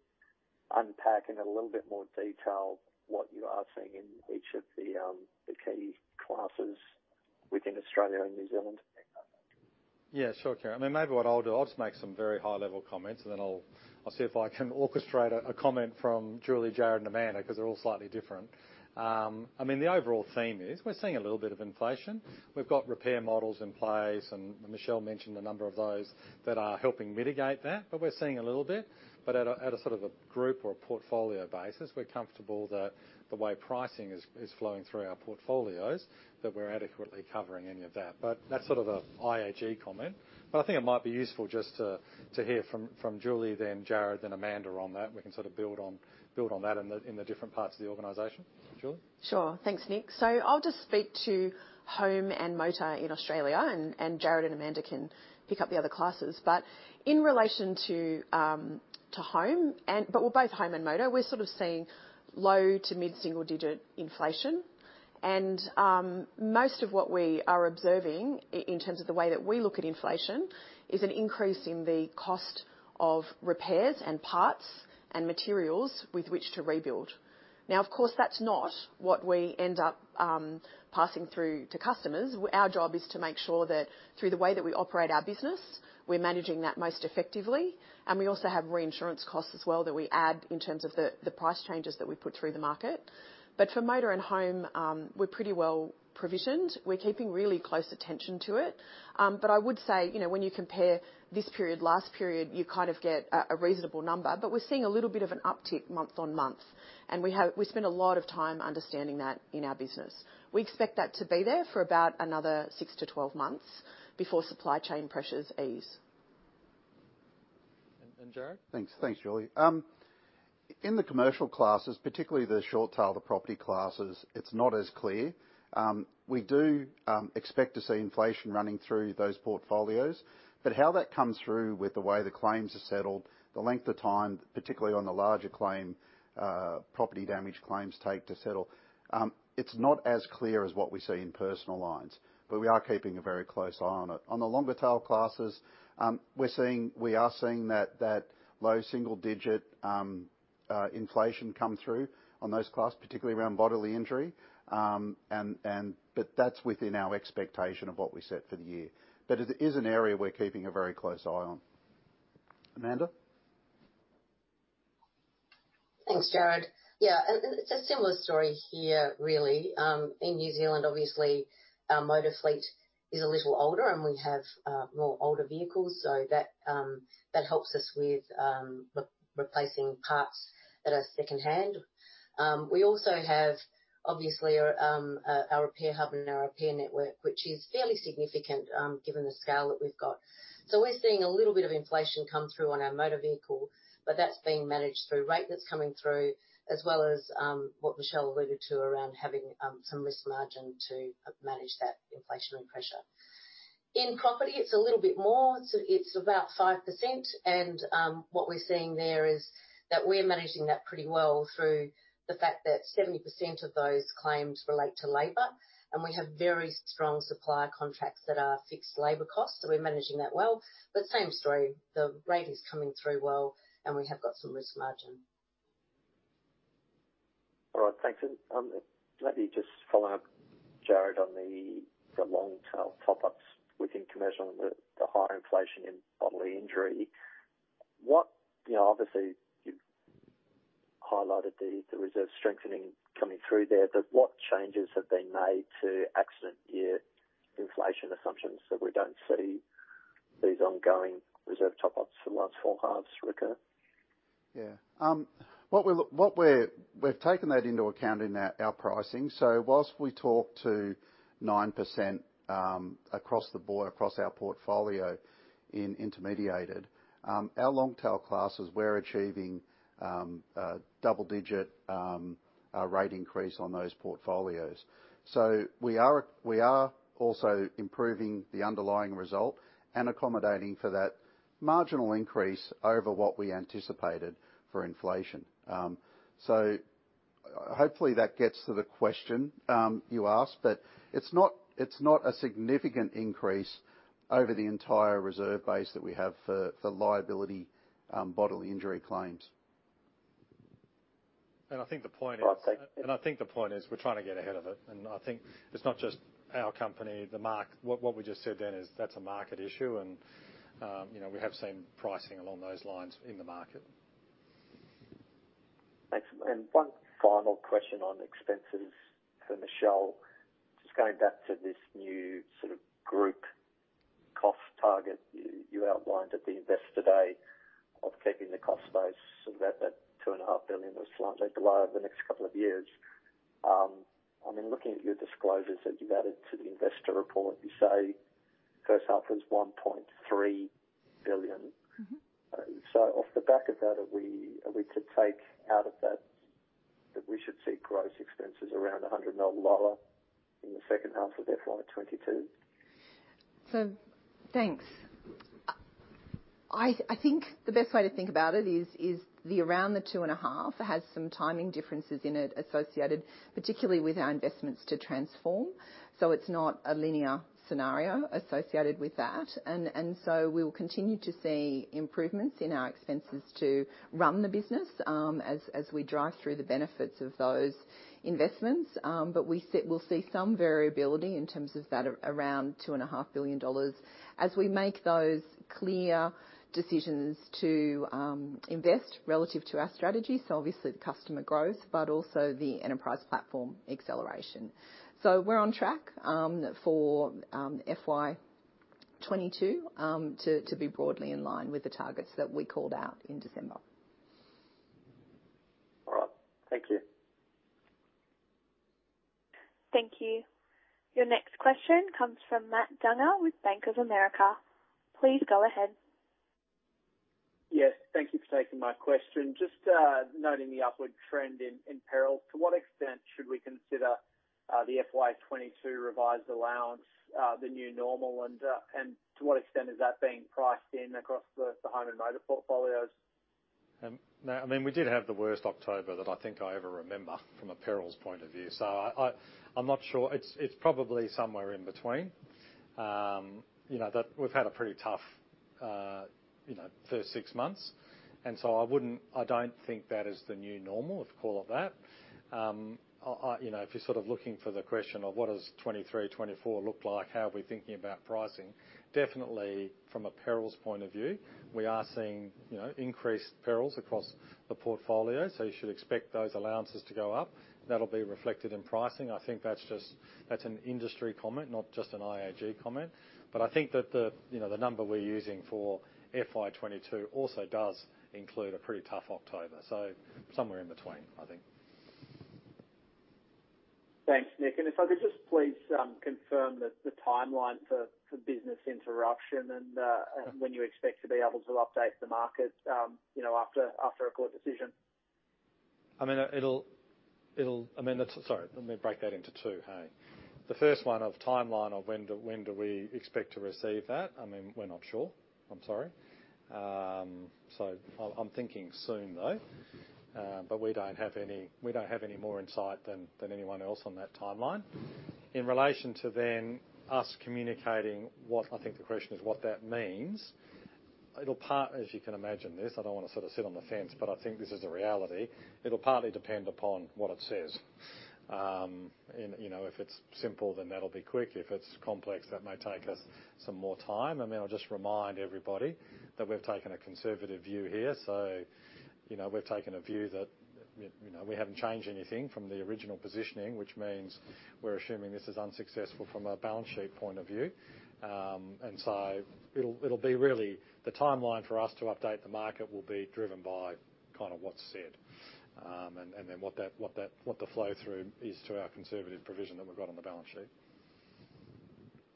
unpack in a little bit more detail what you are seeing in each of the key classes within Australia and New Zealand.
Yeah, sure, Kieren. I mean, maybe what I'll do, I'll just make some very high-level comments, and then I'll see if I can orchestrate a comment from Julie, Jarrod, and Amanda, because they're all slightly different. I mean, the overall theme is we're seeing a little bit of inflation. We've got repair models in place, and Michelle mentioned a number of those that are helping mitigate that, but we're seeing a little bit. But at a sort of a group or a portfolio basis, we're comfortable that the way pricing is flowing through our portfolios that we're adequately covering any of that. But that's sort of a IAG comment. I think it might be useful just to hear from Julie, then Jarrod, then Amanda on that, and we can sort of build on that in the different parts of the organization. Julie?
Sure. Thanks, Nick. I'll just speak to home and motor in Australia, and Jarrod and Amanda can pick up the other classes. In relation to both home and motor, we're sort of seeing low to mid-single digit inflation. Most of what we are observing in terms of the way that we look at inflation is an increase in the cost of repairs and parts and materials with which to rebuild. Now, of course, that's not what we end up passing through to customers. Our job is to make sure that through the way that we operate our business, we're managing that most effectively, and we also have reinsurance costs as well that we add in terms of the price changes that we put through the market. For motor and home, we're pretty well provisioned. We're keeping really close attention to it. I would say, you know, when you compare this period, last period, you kind of get a reasonable number. We're seeing a little bit of an uptick month-on-month, and we spend a lot of time understanding that in our business. We expect that to be there for about another six to 12 months before supply chain pressures ease.
Jarrod?
Thanks. Thanks, Julie. In the commercial classes, particularly the short tail, the property classes, it's not as clear. We do expect to see inflation running through those portfolios, but how that comes through with the way the claims are settled, the length of time, particularly on the larger claims, property damage claims take to settle, it's not as clear as what we see in personal lines, but we are keeping a very close eye on it. On the longer tail classes, we are seeing that low single digit inflation come through on those classes, particularly around bodily injury. That's within our expectation of what we set for the year. It is an area we're keeping a very close eye on. Amanda?
Thanks, Jarrod. Yeah. A similar story here, really. In New Zealand, obviously, our motor fleet is a little older, and we have more older vehicles, so that helps us with replacing parts that are secondhand. We also have, obviously our Repair Hub and our repair network, which is fairly significant, given the scale that we've got. So we're seeing a little bit of inflation come through on our motor vehicle, but that's being managed through rate that's coming through, as well as what Michelle alluded to around having some risk margin to manage that inflationary pressure. In property, it's a little bit more. It's about 5% and what we're seeing there is that we're managing that pretty well through the fact that 70% of those claims relate to labor, and we have very strong supply contracts that are fixed labor costs, so we're managing that well. Same story, the rate is coming through well, and we have got some risk margin.
All right. Thanks. Maybe just follow up, Jarrod, on the long tail top-ups within commercial and the higher inflation in bodily injury. What you know, obviously you've highlighted the reserve strengthening coming through there, but what changes have been made to accident year inflation assumptions, so we don't see these ongoing reserve top-ups for the last four halves recur?
Yeah. We've taken that into account in our pricing. While we talk to 9%, across the board, across our portfolio in intermediated, our long tail classes, we're achieving a double-digit rate increase on those portfolios. We are also improving the underlying result and accommodating for that marginal increase over what we anticipated for inflation. Hopefully that gets to the question you asked, but it's not a significant increase over the entire reserve base that we have for liability bodily injury claims.
I think the point is.
Right. Thank you.
I think the point is we're trying to get ahead of it. I think it's not just our company, what we just said then is that's a market issue and, you know, we have seen pricing along those lines in the market.
Thanks. One final question on expenses for Michelle. Just going back to this new sort of group cost target you outlined at the investor day of keeping the cost base sort of at that 2.5 billion or so below over the next couple of years. I mean, looking at your disclosures that you've added to the investor report, you say first half was 1.3 billion.
Mm-hmm.
Off the back of that, are we to take out of that we should see gross expenses around 100 million lower in the second half of FY 2022?
Thanks. I think the best way to think about it is around the 2.5 has some timing differences in it associated, particularly with our investments to transform. It's not a linear scenario associated with that. We'll continue to see improvements in our expenses to run the business, as we drive through the benefits of those investments. But we'll see some variability in terms of that around 2.5 billion dollars as we make those clear decisions to invest relative to our strategy. Obviously the customer growth, but also the Enterprise Platform acceleration. We're on track for FY 2022 to be broadly in line with the targets that we called out in December.
All right. Thank you.
Thank you. Your next question comes from Matt Dunger with Bank of America. Please go ahead.
Yes, thank you for taking my question. Just noting the upward trend in perils, to what extent should we consider the FY 2022 revised allowance the new normal? To what extent is that being priced in across the home and motor portfolios?
Now, I mean, we did have the worst October that I think I ever remember from a perils point of view. I'm not sure. It's probably somewhere in between. You know, that we've had a pretty tough, you know, first six months, and I don't think that is the new normal, if we call it that. You know, if you're sort of looking for the question of what does 2023, 2024 look like, how are we thinking about pricing? Definitely from a perils point of view, we are seeing, you know, increased perils across the portfolio, you should expect those allowances to go up. That'll be reflected in pricing. I think that's just an industry comment, not just an IAG comment. I think that the, you know, number we're using for FY 2022 also does include a pretty tough October. Somewhere in between, I think.
Thanks, Nick. If I could just please confirm the timeline for business interruption and
Mm-hmm.
When you expect to be able to update the market, you know, after a court decision.
Sorry, let me break that into two, hey. The first one is timeline of when do we expect to receive that. I mean, we're not sure. I'm sorry. I'm thinking soon, though. But we don't have any more insight than anyone else on that timeline. In relation to us communicating what that means, it'll part. As you can imagine this, I don't wanna sort of sit on the fence, but I think this is a reality. It'll partly depend upon what it says. You know, if it's simple, then that'll be quick. If it's complex, that may take us some more time. I mean, I'll just remind everybody that we've taken a conservative view here. You know, we've taken a view that we haven't changed anything from the original positioning, which means we're assuming this is unsuccessful from a balance sheet point of view. It'll be really the timeline for us to update the market will be driven by kind of what's said, and then what the flow through is to our conservative provision that we've got on the balance sheet.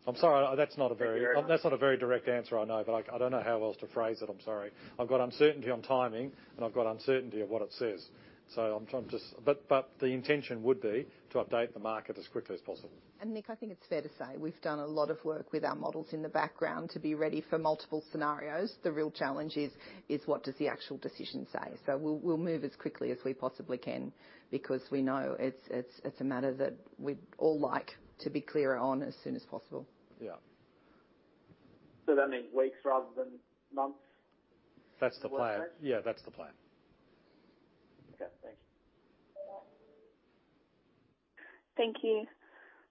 I'm sorry that's not a very-
Yeah.
That's not a very direct answer, I know, but I don't know how else to phrase it. I'm sorry. I've got uncertainty on timing, and I've got uncertainty of what it says. The intention would be to update the market as quickly as possible.
Nick, I think it's fair to say we've done a lot of work with our models in the background to be ready for multiple scenarios. The real challenge is what does the actual decision say? We'll move as quickly as we possibly can because we know it's a matter that we'd all like to be clearer on as soon as possible.
Yeah.
That means weeks rather than months?
That's the plan.
Okay.
Yeah, that's the plan.
Okay, thank you.
Thank you.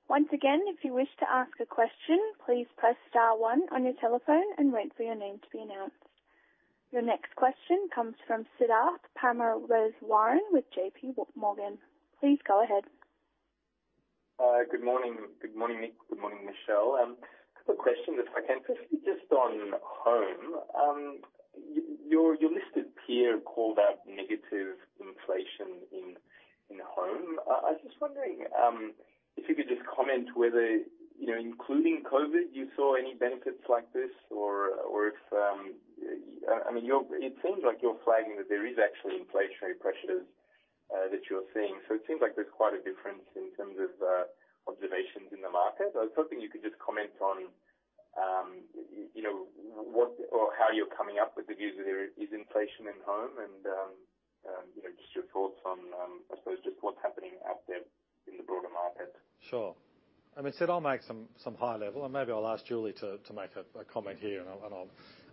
Once again, if you wish to ask a question, please press star one on your telephone and wait for your name to be announced. Your next question comes from Siddharth Parameswaran with JP Morgan. Please go ahead.
Hi. Good morning. Good morning, Nick. Good morning, Michelle. Couple of questions if I can. Firstly, just on home. Your listed peer called out negative inflation in home. I was just wondering if you could just comment whether, you know, including COVID, you saw any benefits like this or if. I mean, it seems like you're flagging that there is actually inflationary pressures that you're seeing. So it seems like there's quite a difference in terms of observations in the market. I was hoping you could just comment on, you know, what or how you're coming up with the view that there is inflation in home and, you know, just your thoughts on, I suppose, just what's happening out there in the broader market.
Sure. I mean, Sid, I'll make some high level and maybe I'll ask Julie to make a comment here.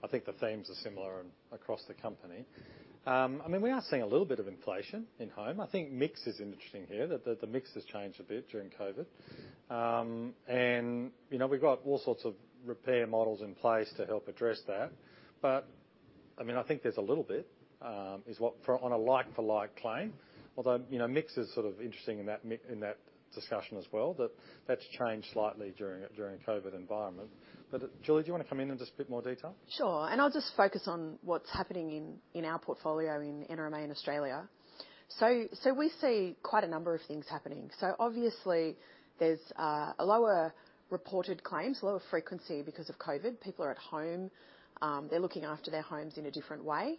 I think the themes are similar across the company. I mean, we are seeing a little bit of inflation in home. I think mix is interesting here, that the mix has changed a bit during COVID. You know, we've got all sorts of repair models in place to help address that. I mean, I think there's a little bit on a like-for-like claim. Although, you know, mix is sort of interesting in that discussion as well, but that's changed slightly during COVID environment. Julie, do you wanna come in just a bit more detail?
Sure. I'll just focus on what's happening in our portfolio in NRMA in Australia. We see quite a number of things happening. Obviously there's a lower reported claims, lower frequency because of COVID. People are at home, they're looking after their homes in a different way.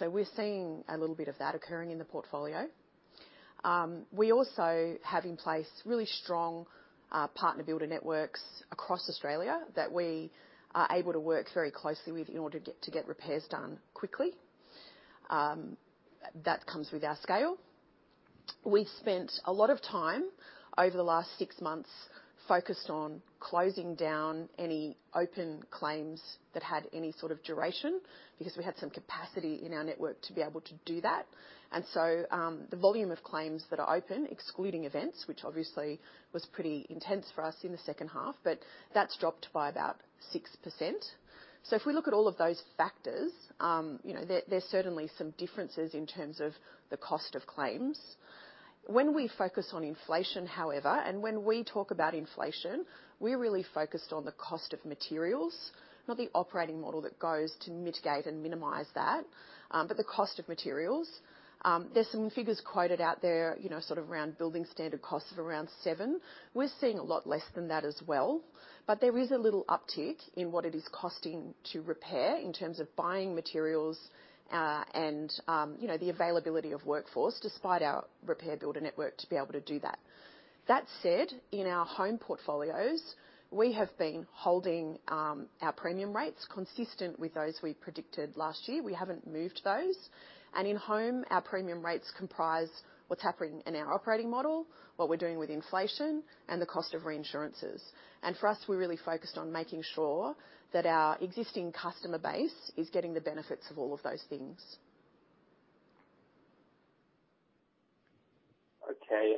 We're seeing a little bit of that occurring in the portfolio. We also have in place really strong partner builder networks across Australia that we are able to work very closely with in order to get repairs done quickly. That comes with our scale. We've spent a lot of time over the last six months focused on closing down any open claims that had any sort of duration because we had some capacity in our network to be able to do that. The volume of claims that are open, excluding events, which obviously was pretty intense for us in the second half, but that's dropped by about 6%. If we look at all of those factors, you know, there's certainly some differences in terms of the cost of claims. When we focus on inflation, however, and when we talk about inflation, we're really focused on the cost of materials, not the operating model that goes to mitigate and minimize that, but the cost of materials. There's some figures quoted out there, you know, sort of around building standard costs of around 7%. We're seeing a lot less than that as well. There is a little uptick in what it is costing to repair in terms of buying materials, and, you know, the availability of workforce despite our Repair Hub network to be able to do that. That said, in our home portfolios, we have been holding our premium rates consistent with those we predicted last year. We haven't moved those, and in home, our premium rates comprise what's happening in our operating model, what we're doing with inflation and the cost of reinsurances. For us, we're really focused on making sure that our existing customer base is getting the benefits of all of those things.
Okay.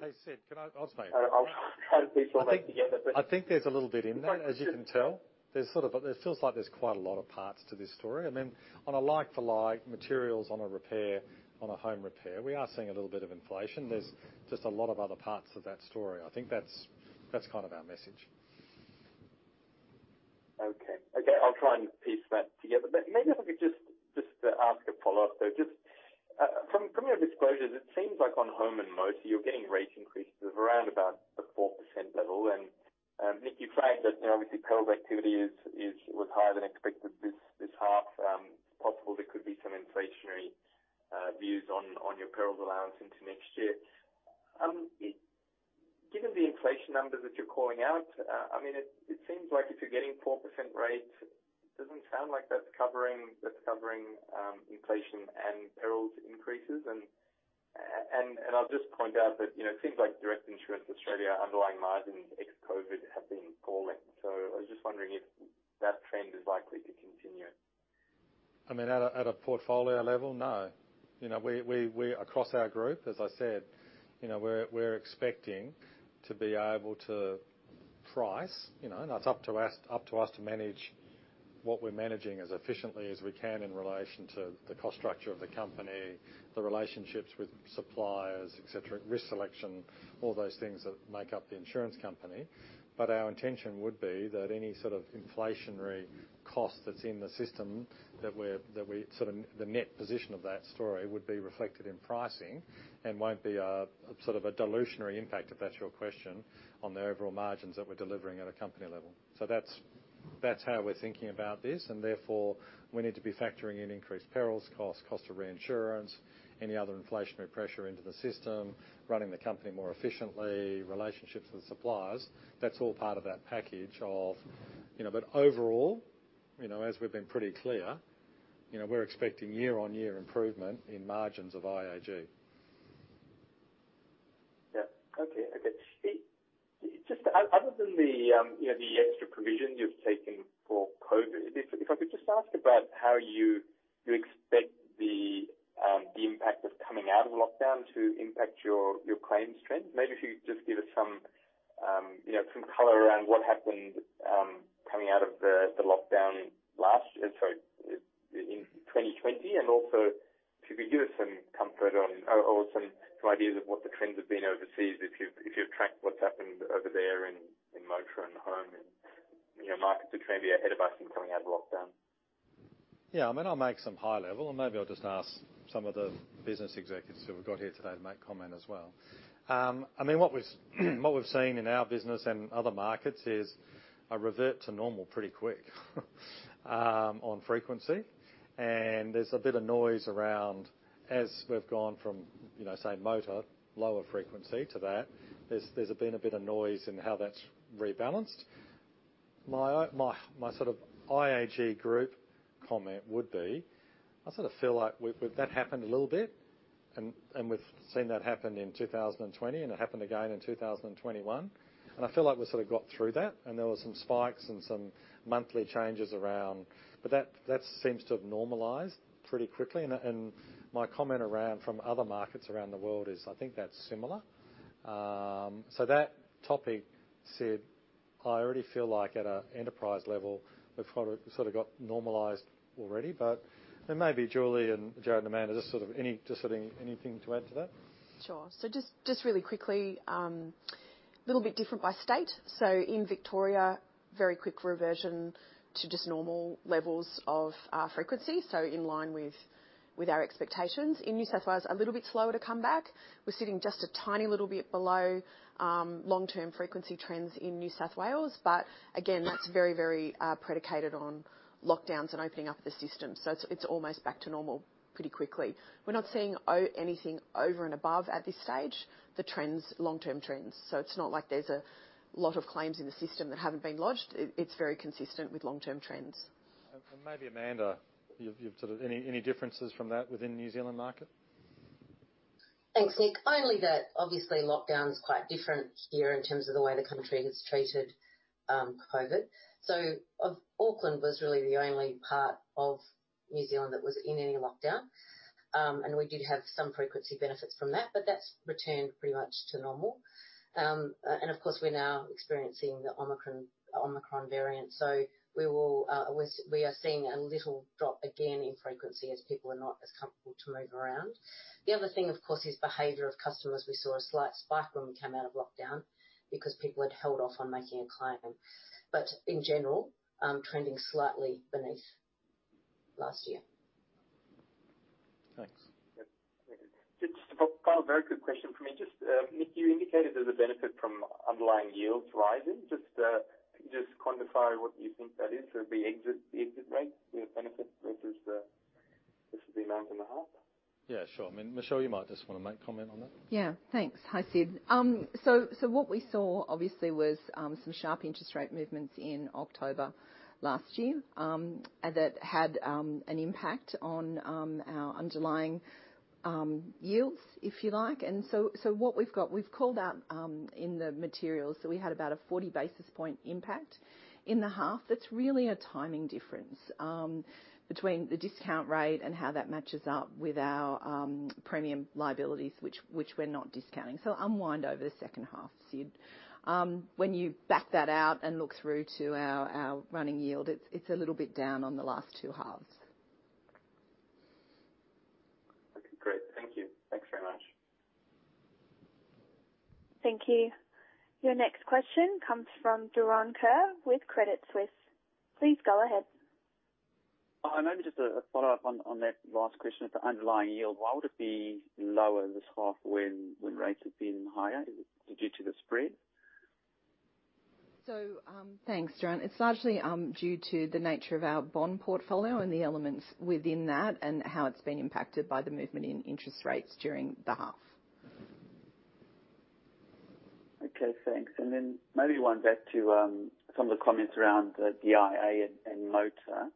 Hey, Sid, I'll speak.
I'll try to piece all that together.
I think there's a little bit in there, as you can tell. There's sort of a. It feels like there's quite a lot of parts to this story. I mean, on a like-for-like materials on a repair, on a home repair, we are seeing a little bit of inflation. There's just a lot of other parts to that story. I think that's kind of our message.
Okay, I'll try and piece that together. Maybe if I could just ask a follow-up, though. Just from your disclosures, it seems like on home and motor, you're getting rate increases of around about the 4% level. Nick, you're saying that, you know, obviously perils activity was higher than expected this half. It's possible there could be some inflationary views on your perils allowance into next year. Given the inflation numbers that you're calling out, I mean, it seems like if you're getting 4% rates, it doesn't sound like that's covering inflation and perils increases. I'll just point out that, you know, it seems like Direct Insurance Australia underlying margins ex-COVID have been falling. I was just wondering if that trend is likely to continue.
I mean, at a portfolio level, no. You know, we across our group, as I said, you know, we're expecting to be able to price, you know, and that's up to us to manage what we're managing as efficiently as we can in relation to the cost structure of the company, the relationships with suppliers, et cetera, risk selection, all those things that make up the insurance company. But our intention would be that any sort of inflationary cost that's in the system that we're sort of the net position of that story would be reflected in pricing and won't be a sort of a dilutive impact, if that's your question, on the overall margins that we're delivering at a company level. That's how we're thinking about this, and therefore, we need to be factoring in increased perils costs, cost of reinsurance, any other inflationary pressure into the system, running the company more efficiently, relationships with suppliers. That's all part of that package of, you know. But overall, you know, as we've been pretty clear, you know, we're expecting year-on-year improvement in margins of IAG.
Yeah. Okay. Okay. Just other than the, you know, the extra provision you've taken for COVID, if I could just ask about how you expect the impact of coming out of lockdown to impact your claims trend. Maybe if you just give us some, you know, some color around what happened coming out of the lockdown last year, sorry, in 2020, and also could you give us some comfort on or some ideas of what the trends have been overseas, if you've tracked what's happened over there in motor and home in, you know, markets which may be ahead of us in coming out of lockdown?
Yeah, I mean, I'll make some high level, and maybe I'll just ask some of the business executives who we've got here today to make comment as well. I mean, what we've seen in our business and other markets is a revert to normal pretty quick on frequency. There's a bit of noise around as we've gone from, you know, say, motor, lower frequency to that. There's been a bit of noise in how that's rebalanced. My sort of IAG Group comment would be, I sort of feel like with that happened a little bit, and we've seen that happen in 2020, and it happened again in 2021, and I feel like we sort of got through that, and there were some spikes and some monthly changes around. That seems to have normalized pretty quickly. My comment around from other markets around the world is I think that's similar. That topic aside, I already feel like at an enterprise level, we've sort of got normalized already. There may be Julie and Jarrod and Amanda, just sort of anything to add to that.
Sure. Just really quickly, little bit different by state. In Victoria, very quick reversion to just normal levels of frequency, so in line with our expectations. In New South Wales, a little bit slower to come back. We're sitting just a tiny little bit below long-term frequency trends in New South Wales. Again, that's very predicated on lockdowns and opening up of the system. It's almost back to normal pretty quickly. We're not seeing anything over and above at this stage, the trends, long-term trends. It's not like there's a lot of claims in the system that haven't been lodged. It's very consistent with long-term trends.
Maybe, Amanda, you've any differences from that within New Zealand market?
Thanks, Nick. Only that obviously lockdown is quite different here in terms of the way the country has treated COVID. Auckland was really the only part of New Zealand that was in any lockdown. We did have some frequency benefits from that, but that's returned pretty much to normal. We're now experiencing the Omicron variant. We are seeing a little drop again in frequency as people are not as comfortable to move around. The other thing, of course, is behavior of customers. We saw a slight spike when we came out of lockdown because people had held off on making a claim. In general, trending slightly beneath last year.
Thanks.
Yep. Just to follow up, very good question from me. Just, Nick, you indicated there's a benefit from underlying yields rising. Just quantify what you think that is. The exit rate benefit versus the amount in the half.
Yeah, sure. I mean, Michelle, you might just wanna make a comment on that.
Yeah. Thanks. Hi, Sid. What we saw obviously was some sharp interest rate movements in October last year that had an impact on our underlying yields, if you like. What we've got, we've called out in the materials that we had about a 40 basis point impact in the half. That's really a timing difference between the discount rate and how that matches up with our premium liabilities, which we're not discounting. Unwind over the second half, Sid. When you back that out and look through to our running yield, it's a little bit down on the last two halves.
Okay, great. Thank you. Thanks very much.
Thank you. Your next question comes from Doron Kur with Credit Suisse. Please go ahead.
Hi. Maybe just a follow-up on that last question of the underlying yield. Why would it be lower this half when rates have been higher? Is it due to the spread?
Thanks, Doron. It's largely due to the nature of our bond portfolio and the elements within that and how it's been impacted by the movement in interest rates during the half.
Okay, thanks. Maybe one back to some of the comments around the DIA and motor.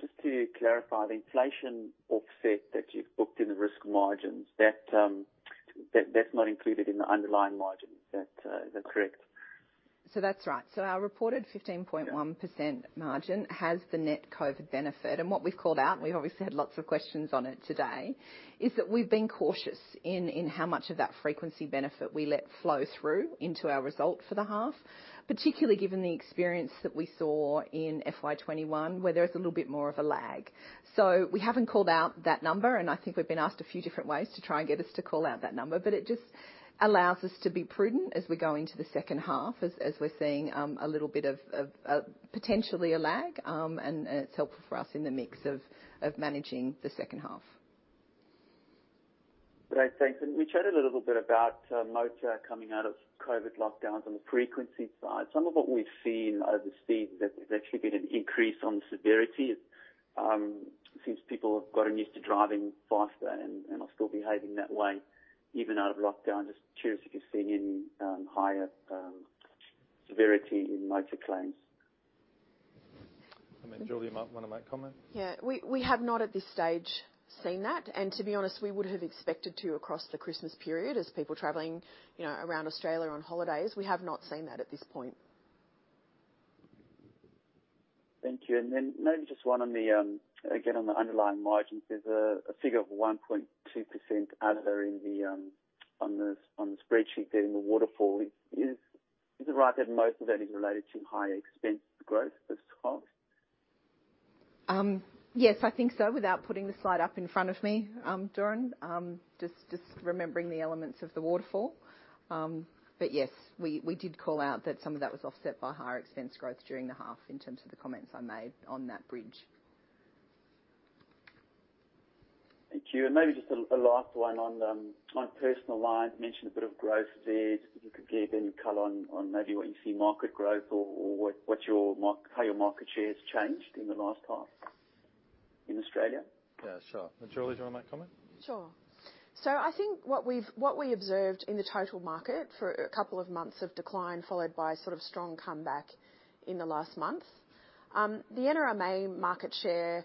Just to clarify the inflation offset that you've booked in the risk margins, that's not included in the underlying margin. Is that correct?
That's right. Our reported 15.1% margin has the net COVID benefit. What we've called out, and we've obviously had lots of questions on it today, is that we've been cautious in how much of that frequency benefit we let flow through into our result for the half, particularly given the experience that we saw in FY 2021, where there is a little bit more of a lag. We haven't called out that number, and I think we've been asked a few different ways to try and get us to call out that number, but it just allows us to be prudent as we go into the second half, as we're seeing a little bit of potentially a lag, and it's helpful for us in the mix of managing the second half.
Great. Thanks. We chatted a little bit about motor coming out of COVID lockdowns on the frequency side. Some of what we've seen overseas, there's actually been an increase on the severity since people have gotten used to driving faster and are still behaving that way, even out of lockdown. Just curious if you're seeing any higher severity in motor claims.
I mean, Julie, you might wanna make a comment.
Yeah. We have not at this stage seen that. To be honest, we would have expected to across the Christmas period as people traveling, you know, around Australia on holidays. We have not seen that at this point.
Thank you. Maybe just one on the, again, on the underlying margins. There's a figure of 1.2% other in the on the spreadsheet there in the waterfall. Is it right that most of that is related to higher expense growth as cost?
Yes, I think so. Without putting the slide up in front of me, Doron. Just remembering the elements of the waterfall. Yes, we did call out that some of that was offset by higher expense growth during the half in terms of the comments I made on that bridge.
Thank you. Maybe just a last one on personal lines. Mentioned a bit of growth there. If you could give any color on maybe where you see market growth or how your market share has changed in the last half in Australia.
Yeah, sure. Julie, do you wanna make a comment?
Sure. I think what we observed in the total market for a couple of months of decline followed by sort of strong comeback in the last month, the NRMA market share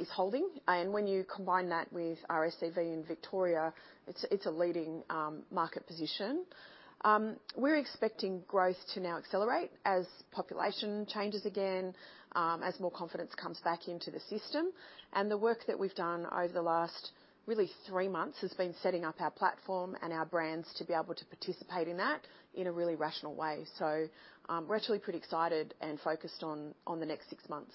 is holding. When you combine that with RACV in Victoria, it's a leading market position. We're expecting growth to now accelerate as population changes again, as more confidence comes back into the system. The work that we've done over the last really three months has been setting up our platform and our brands to be able to participate in that in a really rational way. We're actually pretty excited and focused on the next six months.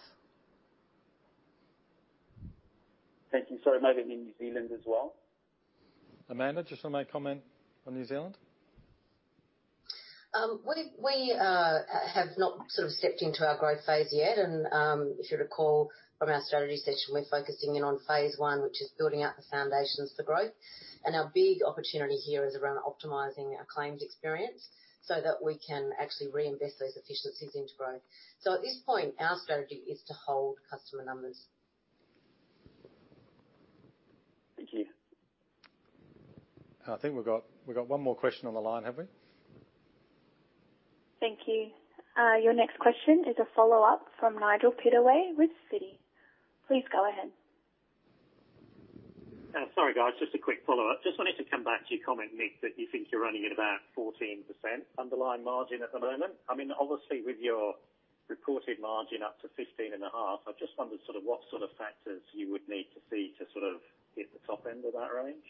Thank you. Sorry, maybe in New Zealand as well.
Amanda, do you just wanna make a comment on New Zealand?
We have not sort of stepped into our growth phase yet. If you recall from our strategy session, we're focusing in on phase one, which is building out the foundations for growth. Our big opportunity here is around optimizing our claims experience so that we can actually reinvest those efficiencies into growth. At this point, our strategy is to hold customer numbers.
Thank you.
I think we've got one more question on the line, have we?
Thank you. Your next question is a follow-up from Nigel Pittaway with Citi. Please go ahead.
Right. Just a quick follow-up. Just wanted to come back to your comment, Nick, that you think you're running at about 14% underlying margin at the moment. I mean, obviously, with your reported margin up to 15.5%, I just wondered sort of what sort of factors you would need to see to sort of hit the top end of that range.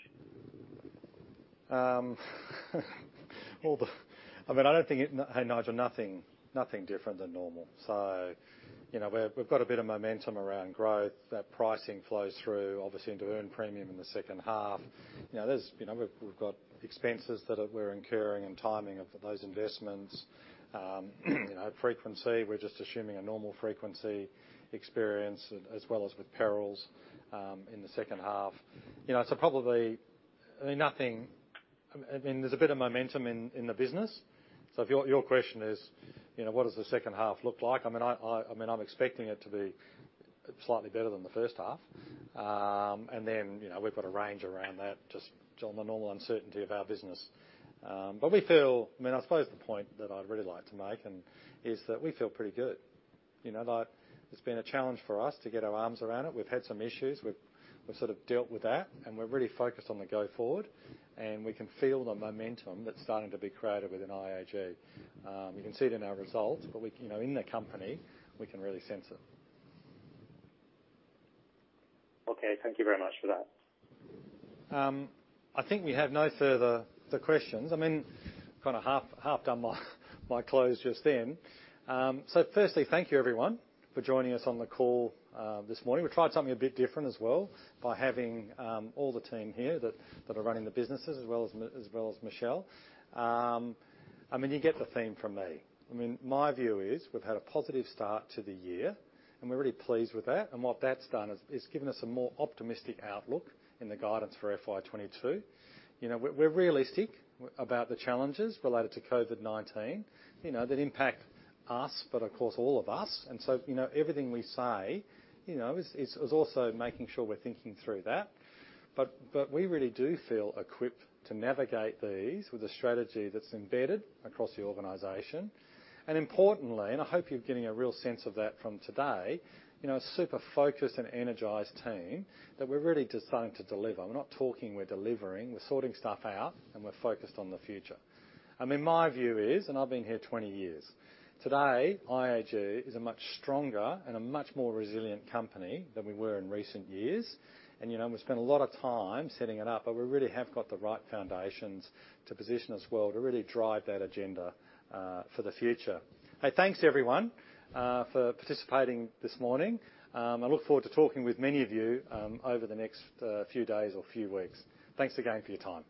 Hey, Nigel, nothing different than normal. You know, we've got a bit of momentum around growth. That pricing flows through, obviously, into earned premium in the second half. You know, there's you know, we've got expenses that we're incurring and timing of those investments. You know, frequency, we're just assuming a normal frequency experience as well as with perils in the second half. You know, so probably, I mean, nothing. I mean, there's a bit of momentum in the business. If your question is, you know, what does the second half look like? I mean, I'm expecting it to be slightly better than the first half. You know, we've got a range around that, just on the normal uncertainty of our business. I mean, I suppose the point that I'd really like to make is that we feel pretty good. You know, like, it's been a challenge for us to get our arms around it. We've had some issues. We've sort of dealt with that, and we're really focused on going forward, and we can feel the momentum that's starting to be created within IAG. You can see it in our results, but you know, in the company, we can really sense it.
Okay, thank you very much for that.
I think we have no further questions. I mean, kind of half done my close just then. Firstly, thank you everyone for joining us on the call this morning. We tried something a bit different as well by having all the team here that are running the businesses as well as Michelle. I mean, you get the theme from me. I mean, my view is we've had a positive start to the year, and we're really pleased with that. What that's done is given us a more optimistic outlook in the guidance for FY 2022. You know, we're realistic about the challenges related to COVID-19, you know, that impact us, but of course all of us. You know, everything we say, you know, is also making sure we're thinking through that. We really do feel equipped to navigate these with a strategy that's embedded across the organization. Importantly, and I hope you're getting a real sense of that from today, you know, a super focused and energized team that we're really starting to deliver. We're not talking, we're delivering. We're sorting stuff out, and we're focused on the future. I mean, my view is, and I've been here 20 years, today, IAG is a much stronger and a much more resilient company than we were in recent years. You know, we spent a lot of time setting it up, but we really have got the right foundations to position us well to really drive that agenda for the future. Hey, thanks everyone for participating this morning. I look forward to talking with many of you over the next few days or few weeks. Thanks again for your time.